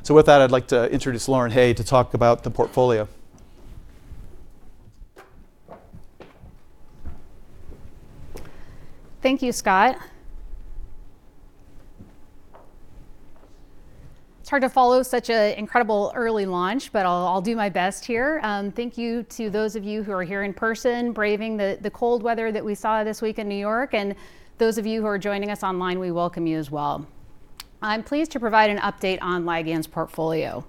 So with that, I'd like to introduce Lauren Hay to talk about the portfolio. Thank you, Scott. It's hard to follow such an incredible early launch, but I'll do my best here. Thank you to those of you who are here in person, braving the cold weather that we saw this week in New York, and those of you who are joining us online, we welcome you as well. I'm pleased to provide an update on Ligand's portfolio,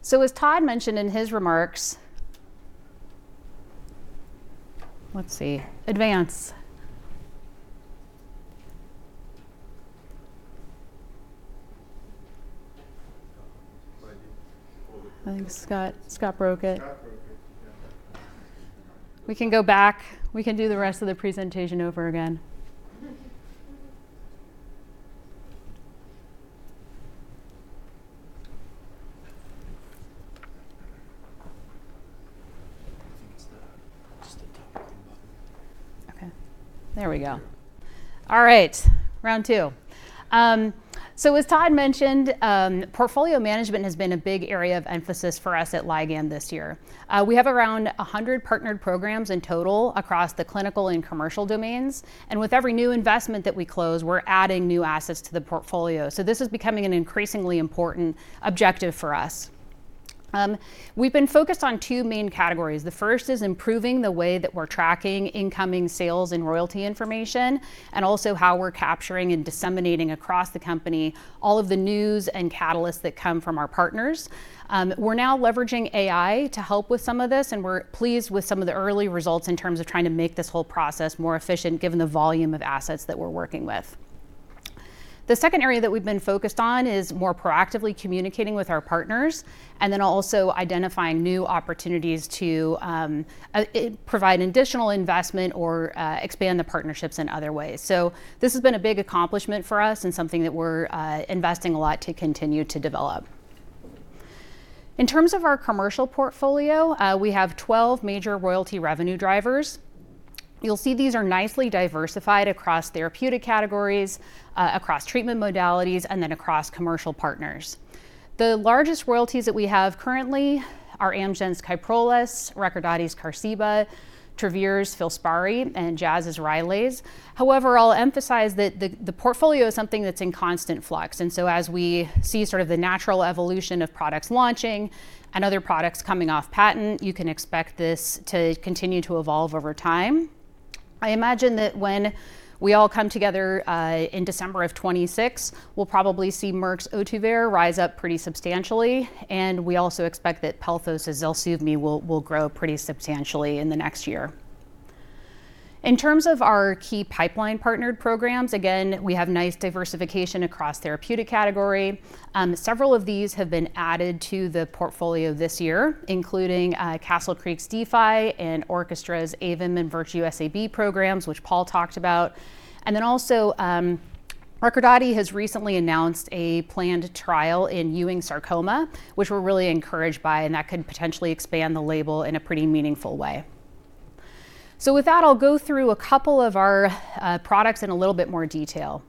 so as Todd mentioned in his remarks, let's see, advance. I think Scott broke it. We can go back. We can do the rest of the presentation over again. topic button. Okay. There we go. All right. Round two. So as Todd mentioned, portfolio management has been a big area of emphasis for us at Ligand this year. We have around 100 partnered programs in total across the clinical and commercial domains. And with every new investment that we close, we're adding new assets to the portfolio. So this is becoming an increasingly important objective for us. We've been focused on two main categories. The first is improving the way that we're tracking incoming sales and royalty information, and also how we're capturing and disseminating across the company all of the news and catalysts that come from our partners. We're now leveraging AI to help with some of this, and we're pleased with some of the early results in terms of trying to make this whole process more efficient given the volume of assets that we're working with. The second area that we've been focused on is more proactively communicating with our partners, and then also identifying new opportunities to provide additional investment or expand the partnerships in other ways. So this has been a big accomplishment for us and something that we're investing a lot to continue to develop. In terms of our commercial portfolio, we have 12 major royalty revenue drivers. You'll see these are nicely diversified across therapeutic categories, across treatment modalities, and then across commercial partners. The largest royalties that we have currently are Amgen's Kyprolis, Recordati's Qarziba, Travere's Filspari, and Jazz's Rylaze. However, I'll emphasize that the portfolio is something that's in constant flux, and so as we see sort of the natural evolution of products launching and other products coming off patent, you can expect this to continue to evolve over time. I imagine that when we all come together in December of 2026, we'll probably see Merck's Ohtuvayre rise up pretty substantially, and we also expect that Pelthos' ZELSUVMI will grow pretty substantially in the next year. In terms of our key pipeline partnered programs, again, we have nice diversification across therapeutic category. Several of these have been added to the portfolio this year, including Castle Creek's D-Fi and Orchestra's AVIM and Virtue SAB programs, which Paul talked about. And then also, Recordati has recently announced a planned trial in Ewing Sarcoma, which we're really encouraged by, and that could potentially expand the label in a pretty meaningful way, so with that, I'll go through a couple of our products in a little bit more detail.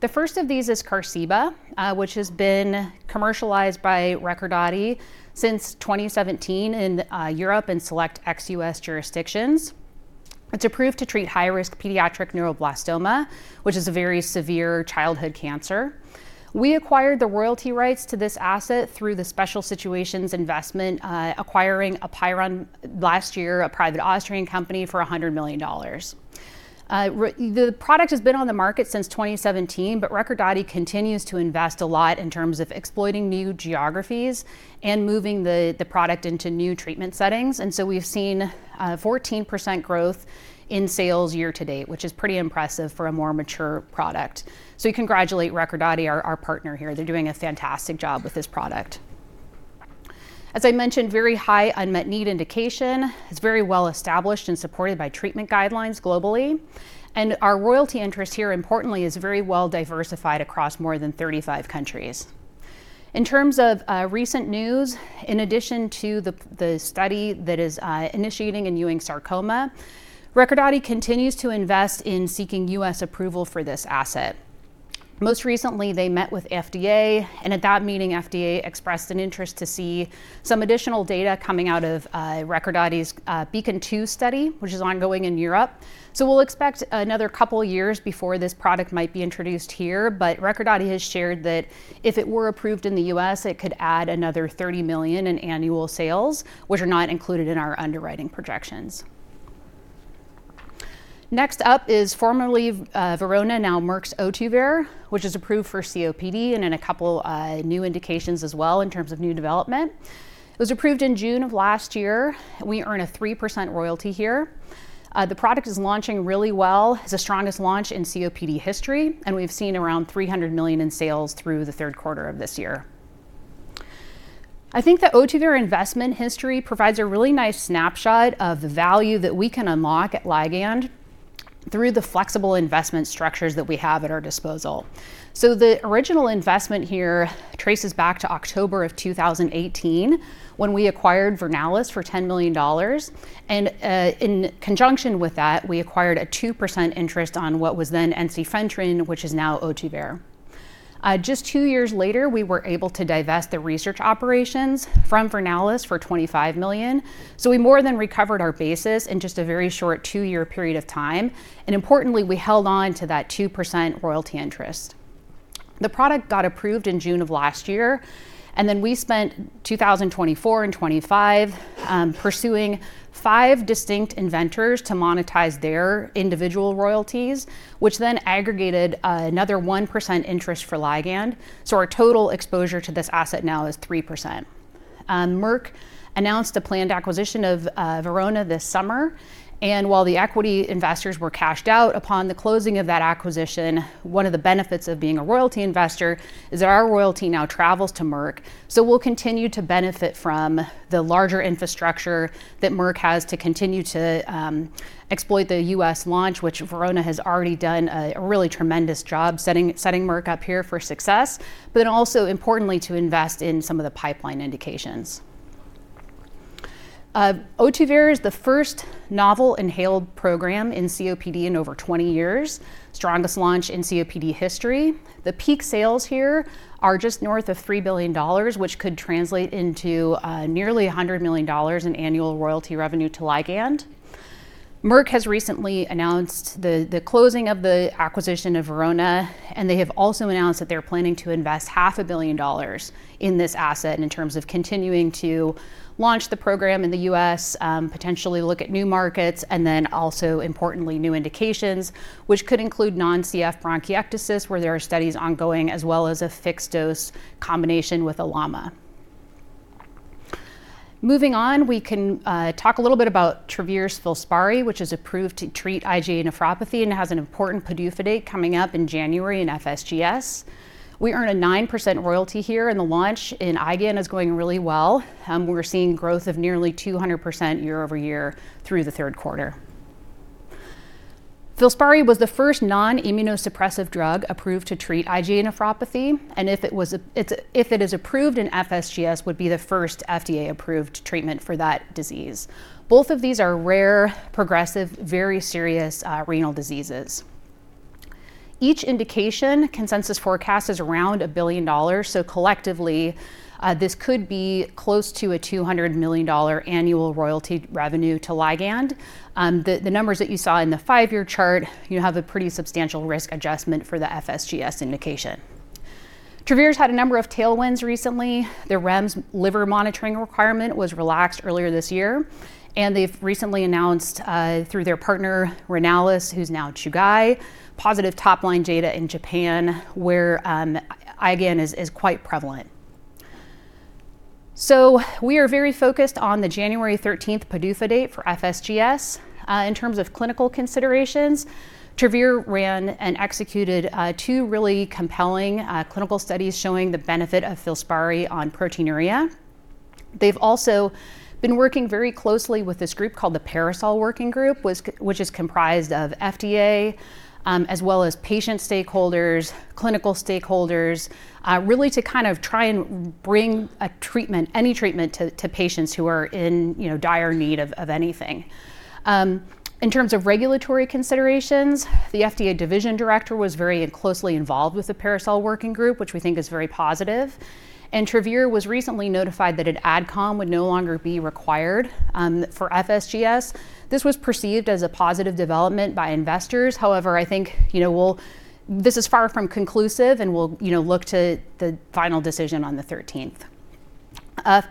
The first of these is Qarziba, which has been commercialized by Recordati since 2017 in Europe and select ex-US jurisdictions. It's approved to treat high-risk pediatric neuroblastoma, which is a very severe childhood cancer. We acquired the royalty rights to this asset through the Special Situations Investment, acquiring Apeiron last year, a private Austrian company, for $100 million. The product has been on the market since 2017, but Recordati continues to invest a lot in terms of exploiting new geographies and moving the product into new treatment settings, and so we've seen 14% growth in sales year-to-date, which is pretty impressive for a more mature product. So we congratulate Recordati, our partner here. They're doing a fantastic job with this product. As I mentioned, very high unmet need indication. It's very well established and supported by treatment guidelines globally, and our royalty interest here, importantly, is very well diversified across more than 35 countries. In terms of recent news, in addition to the study that is initiating in Ewing Sarcoma, Recordati continues to invest in seeking U.S. approval for this asset. Most recently, they met with FDA, and at that meeting, FDA expressed an interest to see some additional data coming out of Recordati's Beacon2 study, which is ongoing in Europe. So we'll expect another couple of years before this product might be introduced here. But Recordati has shared that if it were approved in the U.S., it could add another $30 million in annual sales, which are not included in our underwriting projections. Next up is formerly Verona, now Merck's Ohtuvayre, which is approved for COPD and in a couple of new indications as well in terms of new development. It was approved in June of last year. We earn a 3% royalty here. The product is launching really well. It's the strongest launch in COPD history, and we've seen around $300 million in sales through the third quarter of this year. I think that Ohtuvayre investment history provides a really nice snapshot of the value that we can unlock at Ligand through the flexible investment structures that we have at our disposal. So the original investment here traces back to October of 2018 when we acquired Vernalis for $10 million. And in conjunction with that, we acquired a 2% interest on what was then Ensifentrine, which is now Ohtuvayre. Just two years later, we were able to divest the research operations from Vernalis for $25 million. So we more than recovered our basis in just a very short two-year period of time. And importantly, we held on to that 2% royalty interest. The product got approved in June of last year, and then we spent 2024 and 2025 pursuing five distinct inventors to monetize their individual royalties, which then aggregated another 1% interest for Ligand. So our total exposure to this asset now is 3%. Merck announced a planned acquisition of Verona this summer. And while the equity investors were cashed out upon the closing of that acquisition, one of the benefits of being a royalty investor is that our royalty now travels to Merck. So we'll continue to benefit from the larger infrastructure that Merck has to continue to exploit the U.S. launch, which Verona has already done a really tremendous job setting Merck up here for success, but then also importantly to invest in some of the pipeline indications. Ohtuvayre is the first novel inhaled program in COPD in over 20 years, strongest launch in COPD history. The peak sales here are just north of $3 billion, which could translate into nearly $100 million in annual royalty revenue to Ligand. Merck has recently announced the closing of the acquisition of Verona, and they have also announced that they're planning to invest $500 million in this asset in terms of continuing to launch the program in the US, potentially look at new markets, and then also, importantly, new indications, which could include non-CF bronchiectasis, where there are studies ongoing, as well as a fixed-dose combination with LAMA. Moving on, we can talk a little bit about Travere's Filspari, which is approved to treat IgA nephropathy and has an important sNDA coming up in January in FSGS. We earn a 9% royalty here, and the launch is going really well. We're seeing growth of nearly 200% year-over-year through the third quarter. Filspari was the first non-immunosuppressive drug approved to treat IgA nephropathy, and if it is approved in FSGS, it would be the first FDA-approved treatment for that disease. Both of these are rare, progressive, very serious renal diseases. Each indication consensus forecast is around $1 billion. So collectively, this could be close to a $200 million annual royalty revenue to Ligand. The numbers that you saw in the five-year chart, you have a pretty substantial risk adjustment for the FSGS indication. Travere's had a number of tailwinds recently. Their REMS liver monitoring requirement was relaxed earlier this year, and they've recently announced through their partner, Renalys, who's now Chugai, positive top-line data in Japan where IgA is quite prevalent. So we are very focused on the January 13th PDUFA date for FSGS. In terms of clinical considerations, Travere ran and executed two really compelling clinical studies showing the benefit of Filspari on proteinuria. They've also been working very closely with this group called the Parasol Working Group, which is comprised of FDA, as well as patient stakeholders, clinical stakeholders, really to kind of try and bring any treatment to patients who are in dire need of anything. In terms of regulatory considerations, the FDA division director was very closely involved with the Parasol Working Group, which we think is very positive. And Travere was recently notified that an adcom would no longer be required for FSGS. This was perceived as a positive development by investors. However, I think this is far from conclusive, and we'll look to the final decision on the 13th.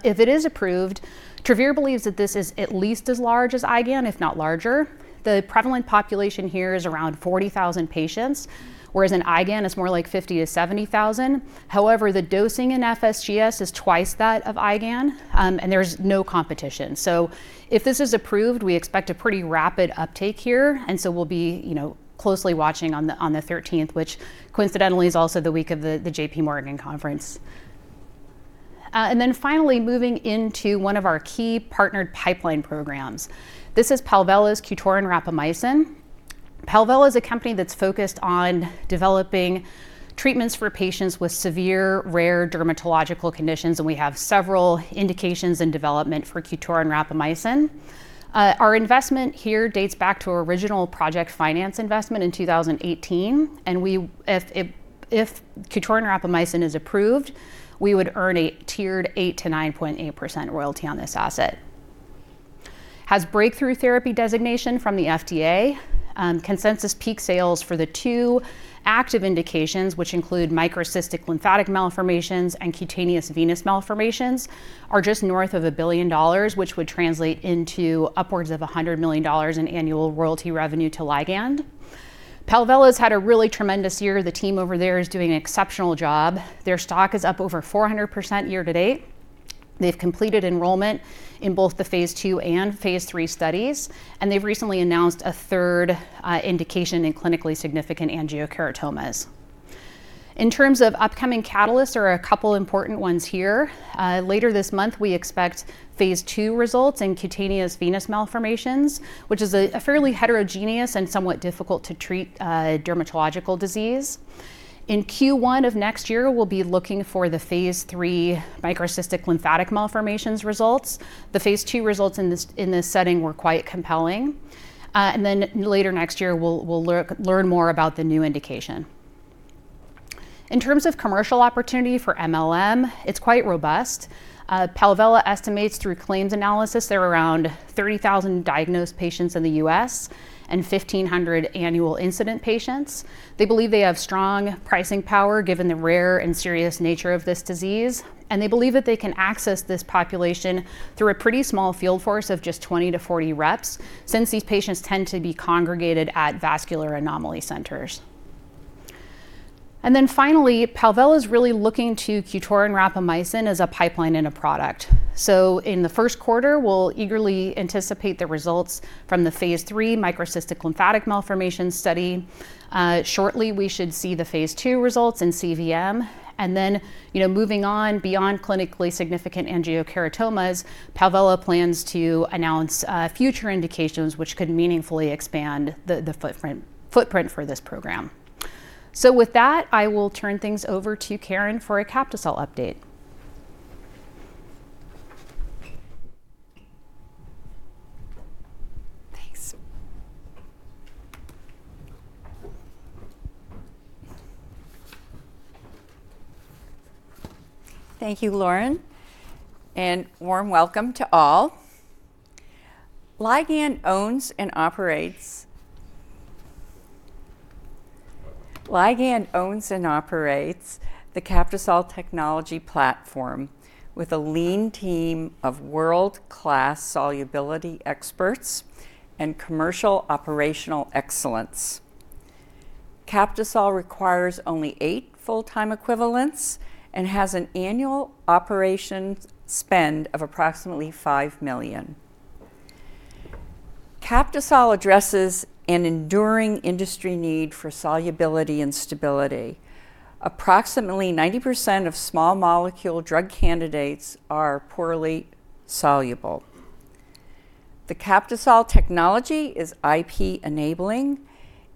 If it is approved, Travere believes that this is at least as large as Ligand, if not larger. The prevalent population here is around 40,000 patients, whereas in Ligand, it's more like 50,000-70,000. However, the dosing in FSGS is twice that of Ligand, and there's no competition. So if this is approved, we expect a pretty rapid uptake here. And so we'll be closely watching on the 13th, which coincidentally is also the week of the JPMorgan Conference. And then finally, moving into one of our key partnered pipeline programs. This is Palvella's Qtorin rapamycin. Palvella is a company that's focused on developing treatments for patients with severe rare dermatological conditions, and we have several indications in development for Qtorin rapamycin. Our investment here dates back to our original project finance investment in 2018. And if Qtorin rapamycin is approved, we would earn a tiered 8%-9.8% royalty on this asset. It has breakthrough therapy designation from the FDA. Consensus peak sales for the two active indications, which include microcystic lymphatic malformations and cutaneous venous malformations, are just north of $1 billion, which would translate into upwards of $100 million in annual royalty revenue to Ligand. Palvella has had a really tremendous year. The team over there is doing an exceptional job. Their stock is up over 400% year-to-date. They've completed enrollment in both the Phase 2 and Phase 3 studies, and they've recently announced a third indication in clinically significant angiokeratomas. In terms of upcoming catalysts, there are a couple of important ones here. Later this month, we expect Phase 2 results in cutaneous venous malformations, which is a fairly heterogeneous and somewhat difficult to treat dermatological disease. In Q1 of next year, we'll be looking for the Phase 3 microcystic lymphatic malformations results. The Phase 2 results in this setting were quite compelling. Later next year, we'll learn more about the new indication. In terms of commercial opportunity for MLM, it's quite robust. Palvella estimates through claims analysis there are around 30,000 diagnosed patients in the U.S. and 1,500 annual incident patients. They believe they have strong pricing power given the rare and serious nature of this disease, and they believe that they can access this population through a pretty small field force of just 20-40 reps since these patients tend to be congregated at vascular anomaly centers. Finally, Palvella is really looking to Qtorin Rapamycin as a pipeline and a product. In the first quarter, we'll eagerly anticipate the results from the Phase 3 microcystic lymphatic malformation study. Shortly, we should see the Phase 2 results in CVM. And then moving on beyond clinically significant angiokeratomas, Palvella plans to announce future indications, which could meaningfully expand the footprint for this program. So with that, I will turn things over to Karen for a Captisol update. Thank you, Lauren, and warm welcome to all. Ligand owns and operates the Captisol technology platform with a lean team of world-class solubility experts and commercial operational excellence. Captisol requires only eight full-time equivalents and has an annual operation spend of approximately $5 million. Captisol addresses an enduring industry need for solubility and stability. Approximately 90% of small molecule drug candidates are poorly soluble. The Captisol technology is IP-enabling,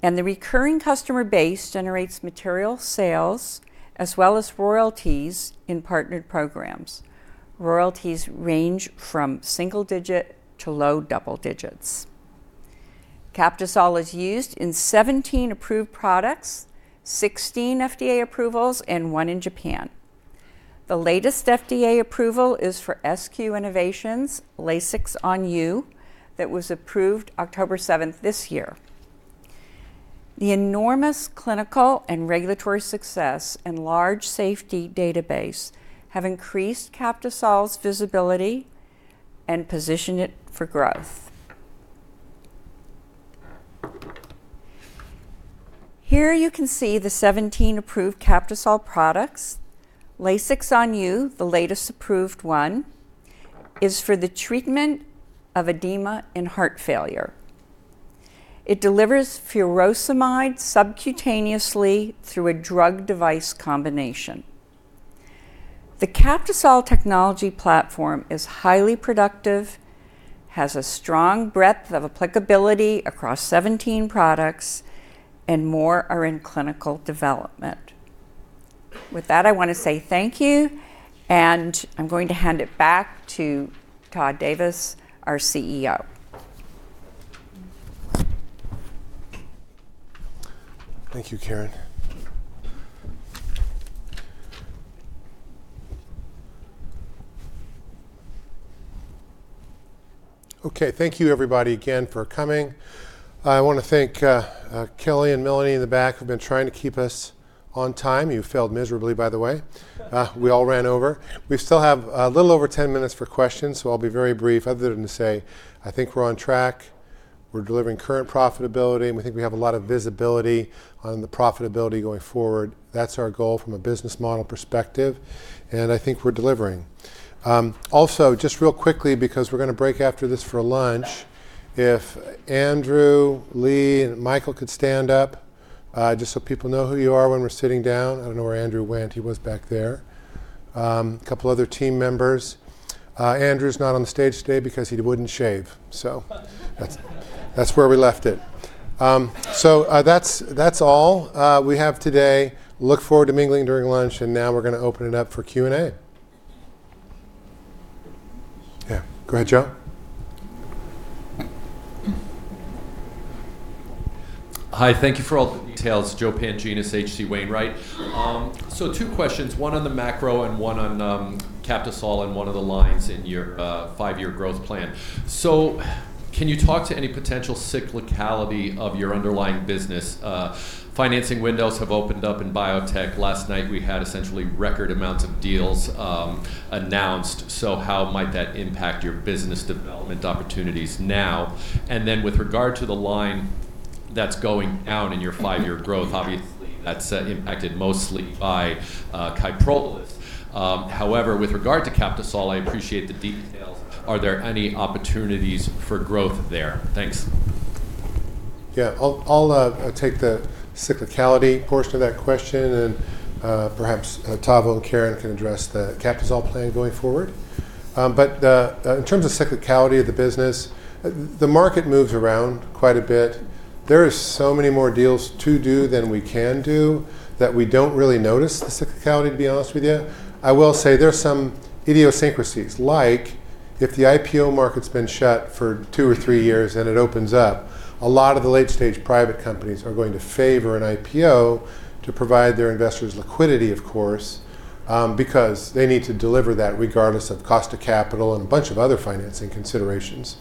and the recurring customer base generates material sales as well as royalties in partnered programs. Royalties range from single digit to low double digits. Captisol is used in 17 approved products, 16 FDA approvals, and one in Japan. The latest FDA approval is for SQ Innovations Furoscix that was approved October 7th this year. The enormous clinical and regulatory success and large safety database have increased Captisol's visibility and positioned it for growth. Here you can see the 17 approved Captisol products. Furoscix, the latest approved one, is for the treatment of edema and heart failure. It delivers furosemide subcutaneously through a drug-device combination. The Captisol technology platform is highly productive, has a strong breadth of applicability across 17 products, and more are in clinical development. With that, I want to say thank you, and I'm going to hand it back to Todd Davis, our CEO. Thank you, Karen. Okay, thank you, everybody, again for coming. I want to thank Kelly and Melanie in the back who've been trying to keep us on time. You failed miserably, by the way. We all ran over. We still have a little over 10 minutes for questions, so I'll be very brief other than to say I think we're on track. We're delivering current profitability, and we think we have a lot of visibility on the profitability going forward. That's our goal from a business model perspective, and I think we're delivering. Also, just real quickly, because we're going to break after this for lunch, if Andrew, Lee, and Michael could stand up just so people know who you are when we're sitting down. I don't know where Andrew went. He was back there. A couple of other team members. Andrew's not on the stage today because he wouldn't shave, so that's where we left it. So that's all we have today. Look forward to mingling during lunch, and now we're going to open it up for Q&A. Yeah, go ahead, Joe. Hi, thank you for all the details. Joe Pantginis, H.C. Wainwright. So two questions, one on the macro and one on Captisol and one of the lines in your five-year growth plan. So can you talk to any potential cyclicality of your underlying business? Financing windows have opened up in biotech. Last night, we had essentially record amounts of deals announced. So how might that impact your business development opportunities now? And then with regard to the line that's going down in your five-year growth, obviously that's impacted mostly by Kyprolis. However, with regard to Captisol, I appreciate the details. Are there any opportunities for growth there? Thanks. Yeah, I'll take the cyclicality portion of that question, and perhaps Tavo and Karen can address the Captisol plan going forward. But in terms of cyclicality of the business, the market moves around quite a bit. There are so many more deals to do than we can do that we don't really notice the cyclicality, to be honest with you. I will say there are some idiosyncrasies, like if the IPO market's been shut for two or three years and it opens up, a lot of the late-stage private companies are going to favor an IPO to provide their investors liquidity, of course, because they need to deliver that regardless of cost of capital and a bunch of other financing considerations.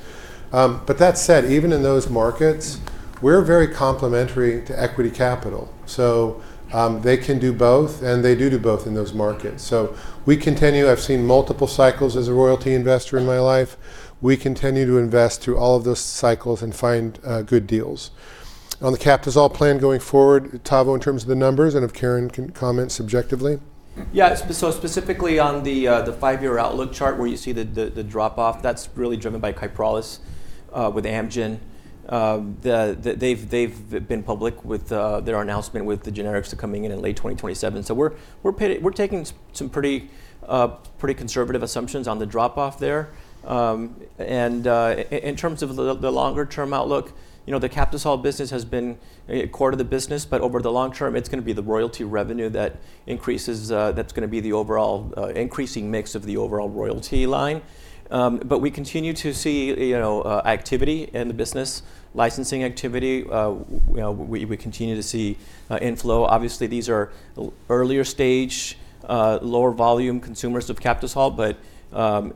But that said, even in those markets, we're very complementary to equity capital. So they can do both, and they do do both in those markets. So we continue. I've seen multiple cycles as a royalty investor in my life. We continue to invest through all of those cycles and find good deals. On the Captisol plan going forward, Tavo, in terms of the numbers and if Karen can comment subjectively. Yeah, so specifically on the five-year outlook chart where you see the drop-off, that's really driven by Kyprolis with Amgen. They've been public with their announcement with the generics coming in in late 2027. So we're taking some pretty conservative assumptions on the drop-off there. And in terms of the longer-term outlook, the Captisol business has been a core to the business, but over the long term, it's going to be the royalty revenue that increases that's going to be the overall increasing mix of the overall royalty line. But we continue to see activity in the business, licensing activity. We continue to see inflow. Obviously, these are earlier-stage, lower-volume consumers of Captisol, but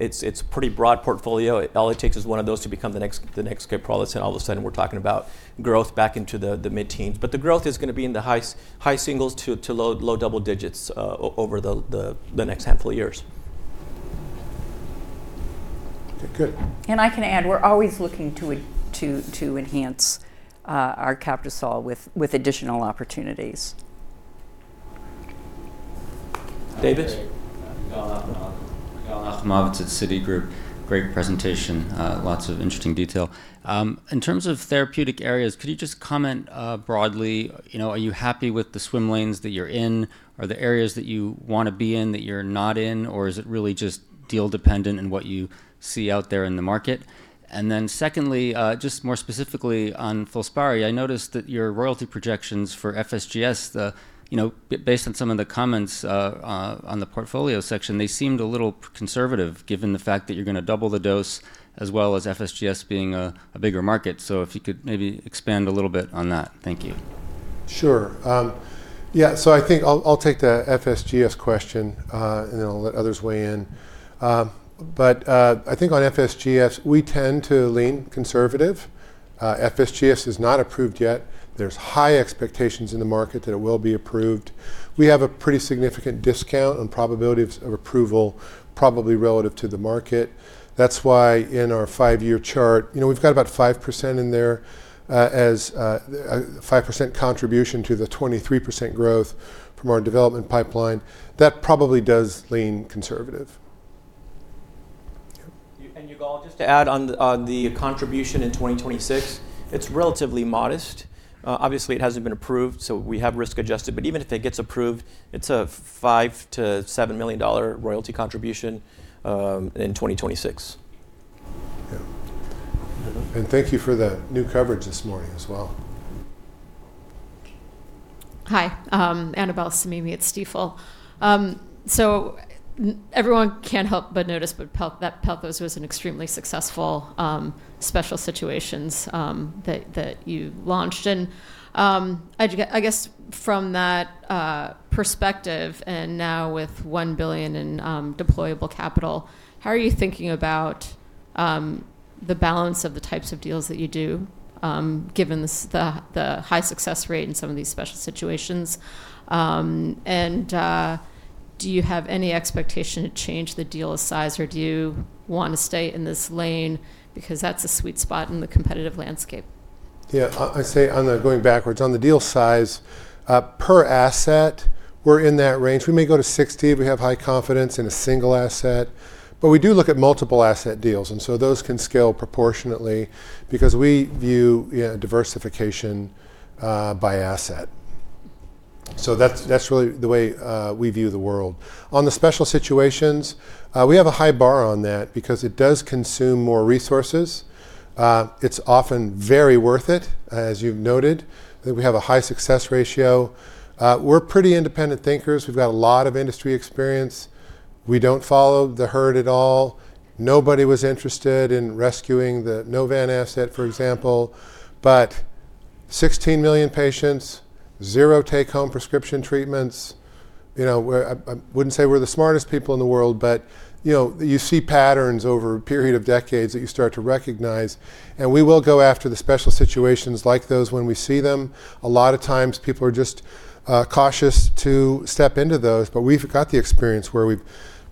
it's a pretty broad portfolio. LATX is one of those to become the next Kyprolis, and all of a sudden, we're talking about growth back into the mid-teens. But the growth is going to be in the high singles to low double digits over the next handful of years. Okay, good. And I can add. We're always looking to enhance our Captisol with additional opportunities. David Lebowitz at Citigroup. Great presentation, lots of interesting detail. In terms of therapeutic areas, could you just comment broadly? Are you happy with the swim lanes that you're in? Are there areas that you want to be in that you're not in, or is it really just deal-dependent in what you see out there in the market? And then secondly, just more specifically on Filspari, I noticed that your royalty projections for FSGS, based on some of the comments on the portfolio section, they seemed a little conservative given the fact that you're going to double the dose as well as FSGS being a bigger market. So if you could maybe expand a little bit on that. Thank you. Sure. Yeah, so I think I'll take the FSGS question, and then I'll let others weigh in. But I think on FSGS, we tend to lean conservative. FSGS is not approved yet. There's high expectations in the market that it will be approved. We have a pretty significant discount on probability of approval, probably relative to the market. That's why in our five-year chart, we've got about 5% in there as a 5% contribution to the 23% growth from our development pipeline. That probably does lean conservative. You, Gaul, just to add on the contribution in 2026, it's relatively modest. Obviously, it hasn't been approved, so we have risk adjusted, but even if it gets approved, it's a $5 million-$7 million royalty contribution in 2026. Yeah. And thank you for the new coverage this morning as well. Hi, Annabel Samimy at Stifel. So everyone can't help but notice that Pelthos was an extremely successful special situations that you launched. And I guess from that perspective, and now with $1 billion in deployable capital, how are you thinking about the balance of the types of deals that you do given the high success rate in some of these special situations? And do you have any expectation to change the deal size, or do you want to stay in this lane because that's a sweet spot in the competitive landscape? Yeah, I say on the going backwards, on the deal size, per asset, we're in that range. We may go to 60. We have high confidence in a single asset, but we do look at multiple asset deals, and so those can scale proportionately because we view diversification by asset. So that's really the way we view the world. On the special situations, we have a high bar on that because it does consume more resources. It's often very worth it, as you've noted. We have a high success ratio. We're pretty independent thinkers. We've got a lot of industry experience. We don't follow the herd at all. Nobody was interested in rescuing the Novan asset, for example. But 16 million patients, zero take-home prescription treatments. I wouldn't say we're the smartest people in the world, but you see patterns over a period of decades that you start to recognize. And we will go after the special situations like those when we see them. A lot of times, people are just cautious to step into those, but we've got the experience where we've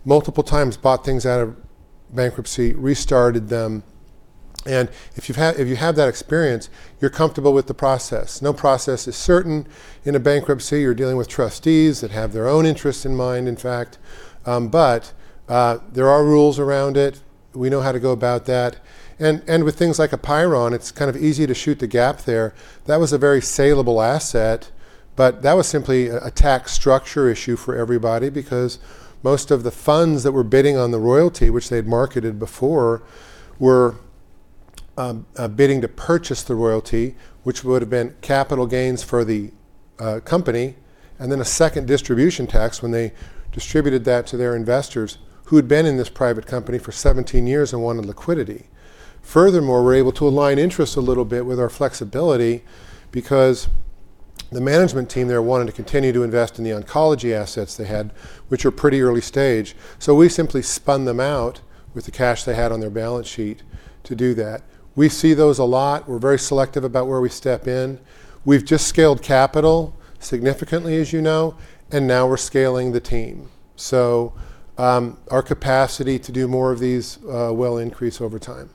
multiple times bought things out of bankruptcy, restarted them. And if you have that experience, you're comfortable with the process. No process is certain. In a bankruptcy, you're dealing with trustees that have their own interests in mind, in fact. But there are rules around it. We know how to go about that. And with things like Apeiron, it's kind of easy to shoot the gap there. That was a very saleable asset, but that was simply a tax structure issue for everybody because most of the funds that were bidding on the royalty, which they'd marketed before, were bidding to purchase the royalty, which would have been capital gains for the company, and then a second distribution tax when they distributed that to their investors who had been in this private company for 17 years and wanted liquidity. Furthermore, we're able to align interest a little bit with our flexibility because the management team there wanted to continue to invest in the oncology assets they had, which are pretty early stage. So we simply spun them out with the cash they had on their balance sheet to do that. We see those a lot. We're very selective about where we step in. We've just scaled capital significantly, as you know, and now we're scaling the team. So our capacity to do more of these will increase over time.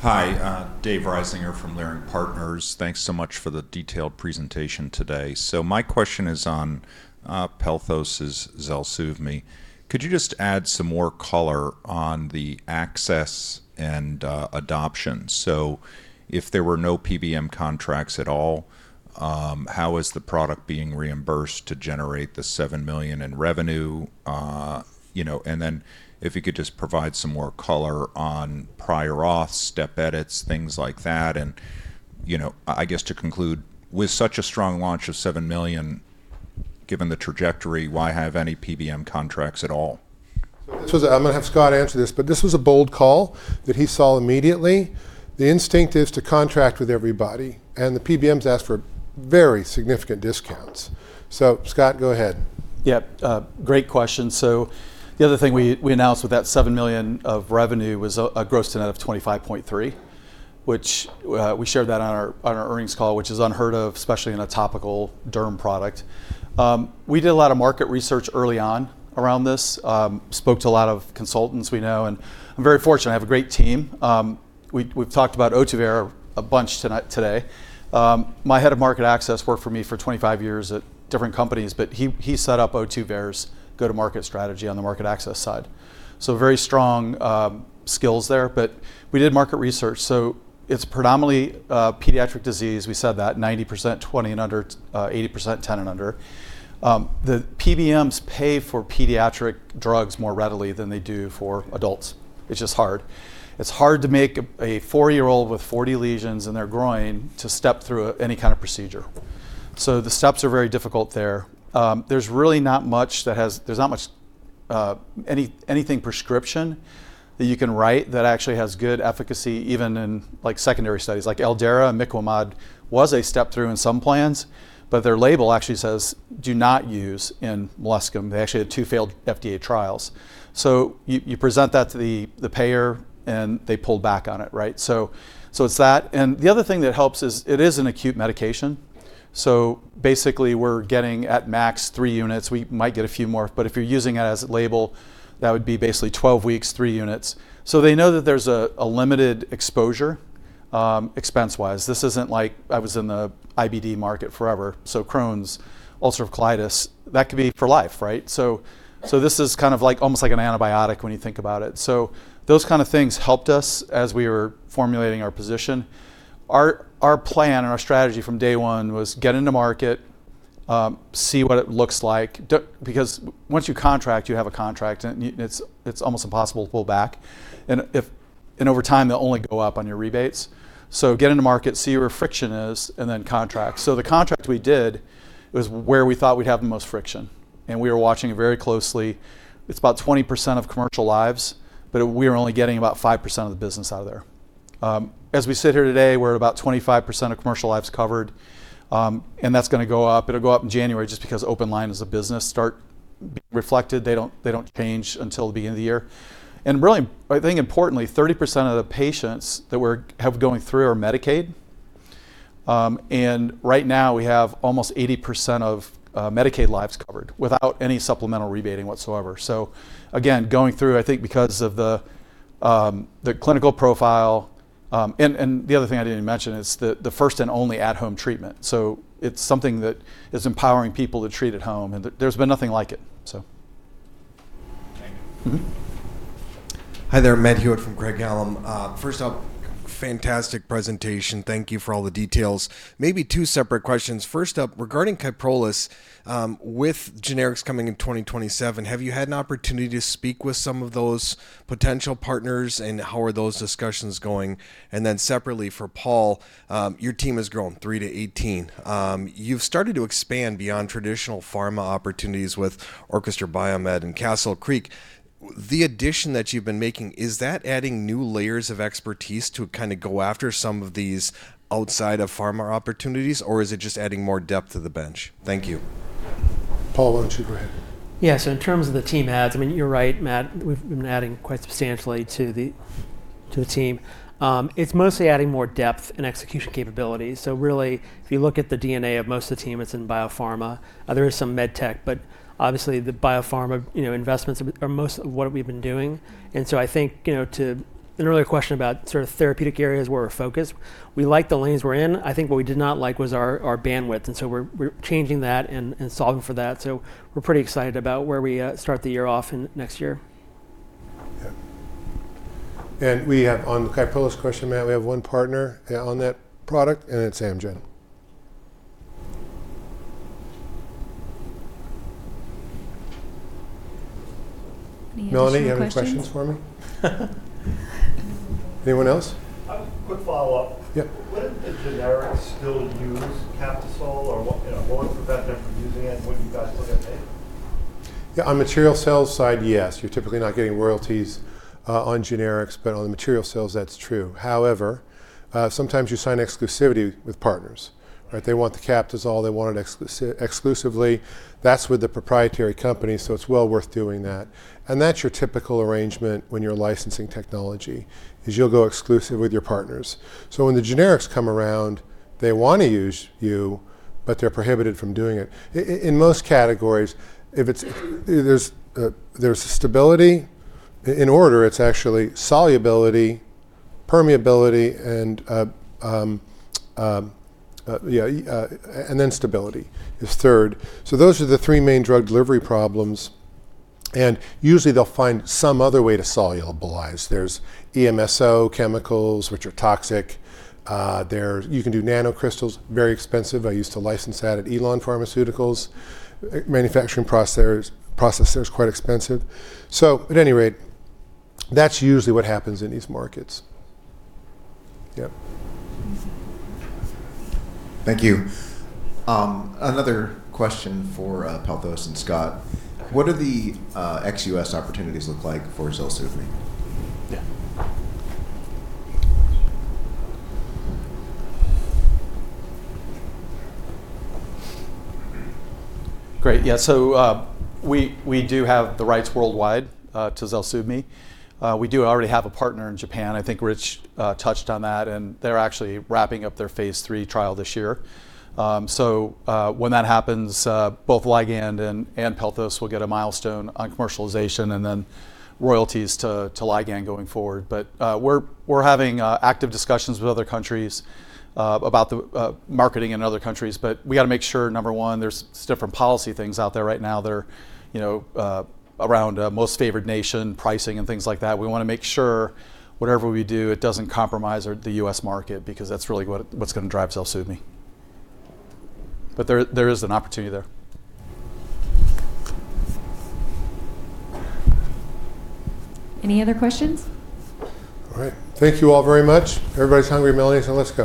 Hi, David Risinger from Leerink Partners. Thanks so much for the detailed presentation today. So my question is on Pelthos's ZELSUVMI. Could you just add some more color on the access and adoption? So if there were no PBM contracts at all, how is the product being reimbursed to generate the $7 million in revenue? And then if you could just provide some more color on prior auths, step edits, things like that. And I guess to conclude, with such a strong launch of $7 million, given the trajectory, why have any PBM contracts at all? I'm going to have Scott answer this, but this was a bold call that he saw immediately. The instinct is to contract with everybody, and the PBMs ask for very significant discounts. So Scott, go ahead. Yeah, great question. The other thing we announced with that $7 million of revenue was a gross-to-net of 25.3%, which we shared that on our earnings call, which is unheard of, especially in a topical derm product. We did a lot of market research early on around this, spoke to a lot of consultants we know, and I'm very fortunate. I have a great team. We've talked about ZELSUVMI a bunch today. My head of market access worked for me for 25 years at different companies, but he set up ZELSUVMI's go-to-market strategy on the market access side. Very strong skills there, but we did market research. It's predominantly pediatric disease. We said that 90% 20 and under, 80% 10 and under. The PBMs pay for pediatric drugs more readily than they do for adults. It's just hard. It's hard to make a four-year-old with 40 lesions in their groin to step through any kind of procedure. So the steps are very difficult there. There's really not much that has anything prescription that you can write that actually has good efficacy even in secondary studies. Like Aldara, imiquimod was a step-through in some plans, but their label actually says, "Do not use in molluscum." They actually had two failed FDA trials. So you present that to the payer, and they pull back on it, right? So it's that. And the other thing that helps is it is an acute medication. So basically, we're getting at max three units. We might get a few more, but if you're using it as a label, that would be basically 12 weeks, three units. So they know that there's a limited exposure expense-wise. This isn't like I was in the IBD market forever. So Crohn's, ulcerative colitis, that could be for life, right? So this is kind of almost like an antibiotic when you think about it. So those kind of things helped us as we were formulating our position. Our plan and our strategy from day one was get into market, see what it looks like, because once you contract, you have a contract, and it's almost impossible to pull back. And over time, they'll only go up on your rebates. So get into market, see where friction is, and then contract. So the contract we did was where we thought we'd have the most friction. And we were watching very closely. It's about 20% of commercial lives, but we were only getting about 5% of the business out of there. As we sit here today, we're at about 25% of commercial lives covered, and that's going to go up. It'll go up in January just because open enrollment is about to start being reflected. They don't change until the beginning of the year. And really, I think importantly, 30% of the patients that we're going through are Medicaid. And right now, we have almost 80% of Medicaid lives covered without any supplemental rebating whatsoever. So again, going through, I think because of the clinical profile. And the other thing I didn't even mention is the first and only at-home treatment. So it's something that is empowering people to treat at home, and there's been nothing like it, so. Hi there, Matt Hewitt from Craig-Hallum. First off, fantastic presentation. Thank you for all the details. Maybe two separate questions. First up, regarding Kyprolis, with generics coming in 2027, have you had an opportunity to speak with some of those potential partners, and how are those discussions going? And then separately for Paul, your team has grown three to 18. You've started to expand beyond traditional pharma opportunities with Orchestra BioMed and Castle Creek. The addition that you've been making, is that adding new layers of expertise to kind of go after some of these outside of pharma opportunities, or is it just adding more depth to the bench? Thank you. Paul, why don't you go ahead? Yeah, so in terms of the team adds, I mean, you're right, Matt. We've been adding quite substantially to the team. It's mostly adding more depth and execution capabilities. So really, if you look at the DNA of most of the team, it's in biopharma. There is some medtech, but obviously, the biopharma investments are most of what we've been doing. And so I think to an earlier question about sort of therapeutic areas where we're focused, we like the lanes we're in. I think what we did not like was our bandwidth. And so we're changing that and solving for that. So we're pretty excited about where we start the year off in next year. Yeah. And we have on the Kyprolis question, Matt, we have one partner on that product, and it's Amgen. Melanie, you have any questions for me? Anyone else? Quick follow-up. What if the generics still use Captisol? Or what would prevent them from using it? And what do you guys look at there? Yeah, on material sales side, yes. You're typically not getting royalties on generics, but on the material sales, that's true. However, sometimes you sign exclusivity with partners, right? They want the Captisol. They want it exclusively. That's with the proprietary company, so it's well worth doing that. And that's your typical arrangement when you're licensing technology, is you'll go exclusive with your partners. So when the generics come around, they want to use you, but they're prohibited from doing it. In most categories, there's stability in order. It's actually solubility, permeability, and then stability is third. So those are the three main drug delivery problems. And usually, they'll find some other way to solubilize. There's DMSO chemicals, which are toxic. You can do nanocrystals, very expensive. I used to license that at Allergan Pharmaceuticals. Manufacturing process there is quite expensive. So at any rate, that's usually what happens in these markets. Yep. Thank you. Another question for Pelthos and Scott. What do the ex-US opportunities look like for ZELSUVMI? Yeah. Great. Yeah. So we do have the rights worldwide to ZELSUVMI. We do already have a partner in Japan. I think Rich touched on that, and they're actually wrapping up their Phase 3 trial this year. So when that happens, both Ligand and Pelthos will get a milestone on commercialization and then royalties to Ligand going forward. But we're having active discussions with other countries about the marketing in other countries. But we got to make sure, number one, there's different policy things out there right now that are around most favored nation, pricing, and things like that. We want to make sure whatever we do, it doesn't compromise the U.S. market because that's really what's going to drive ZELSUVMI. But there is an opportunity there. Any other questions? All right. Thank you all very much. Everybody's hungry, Melanie, so let's go.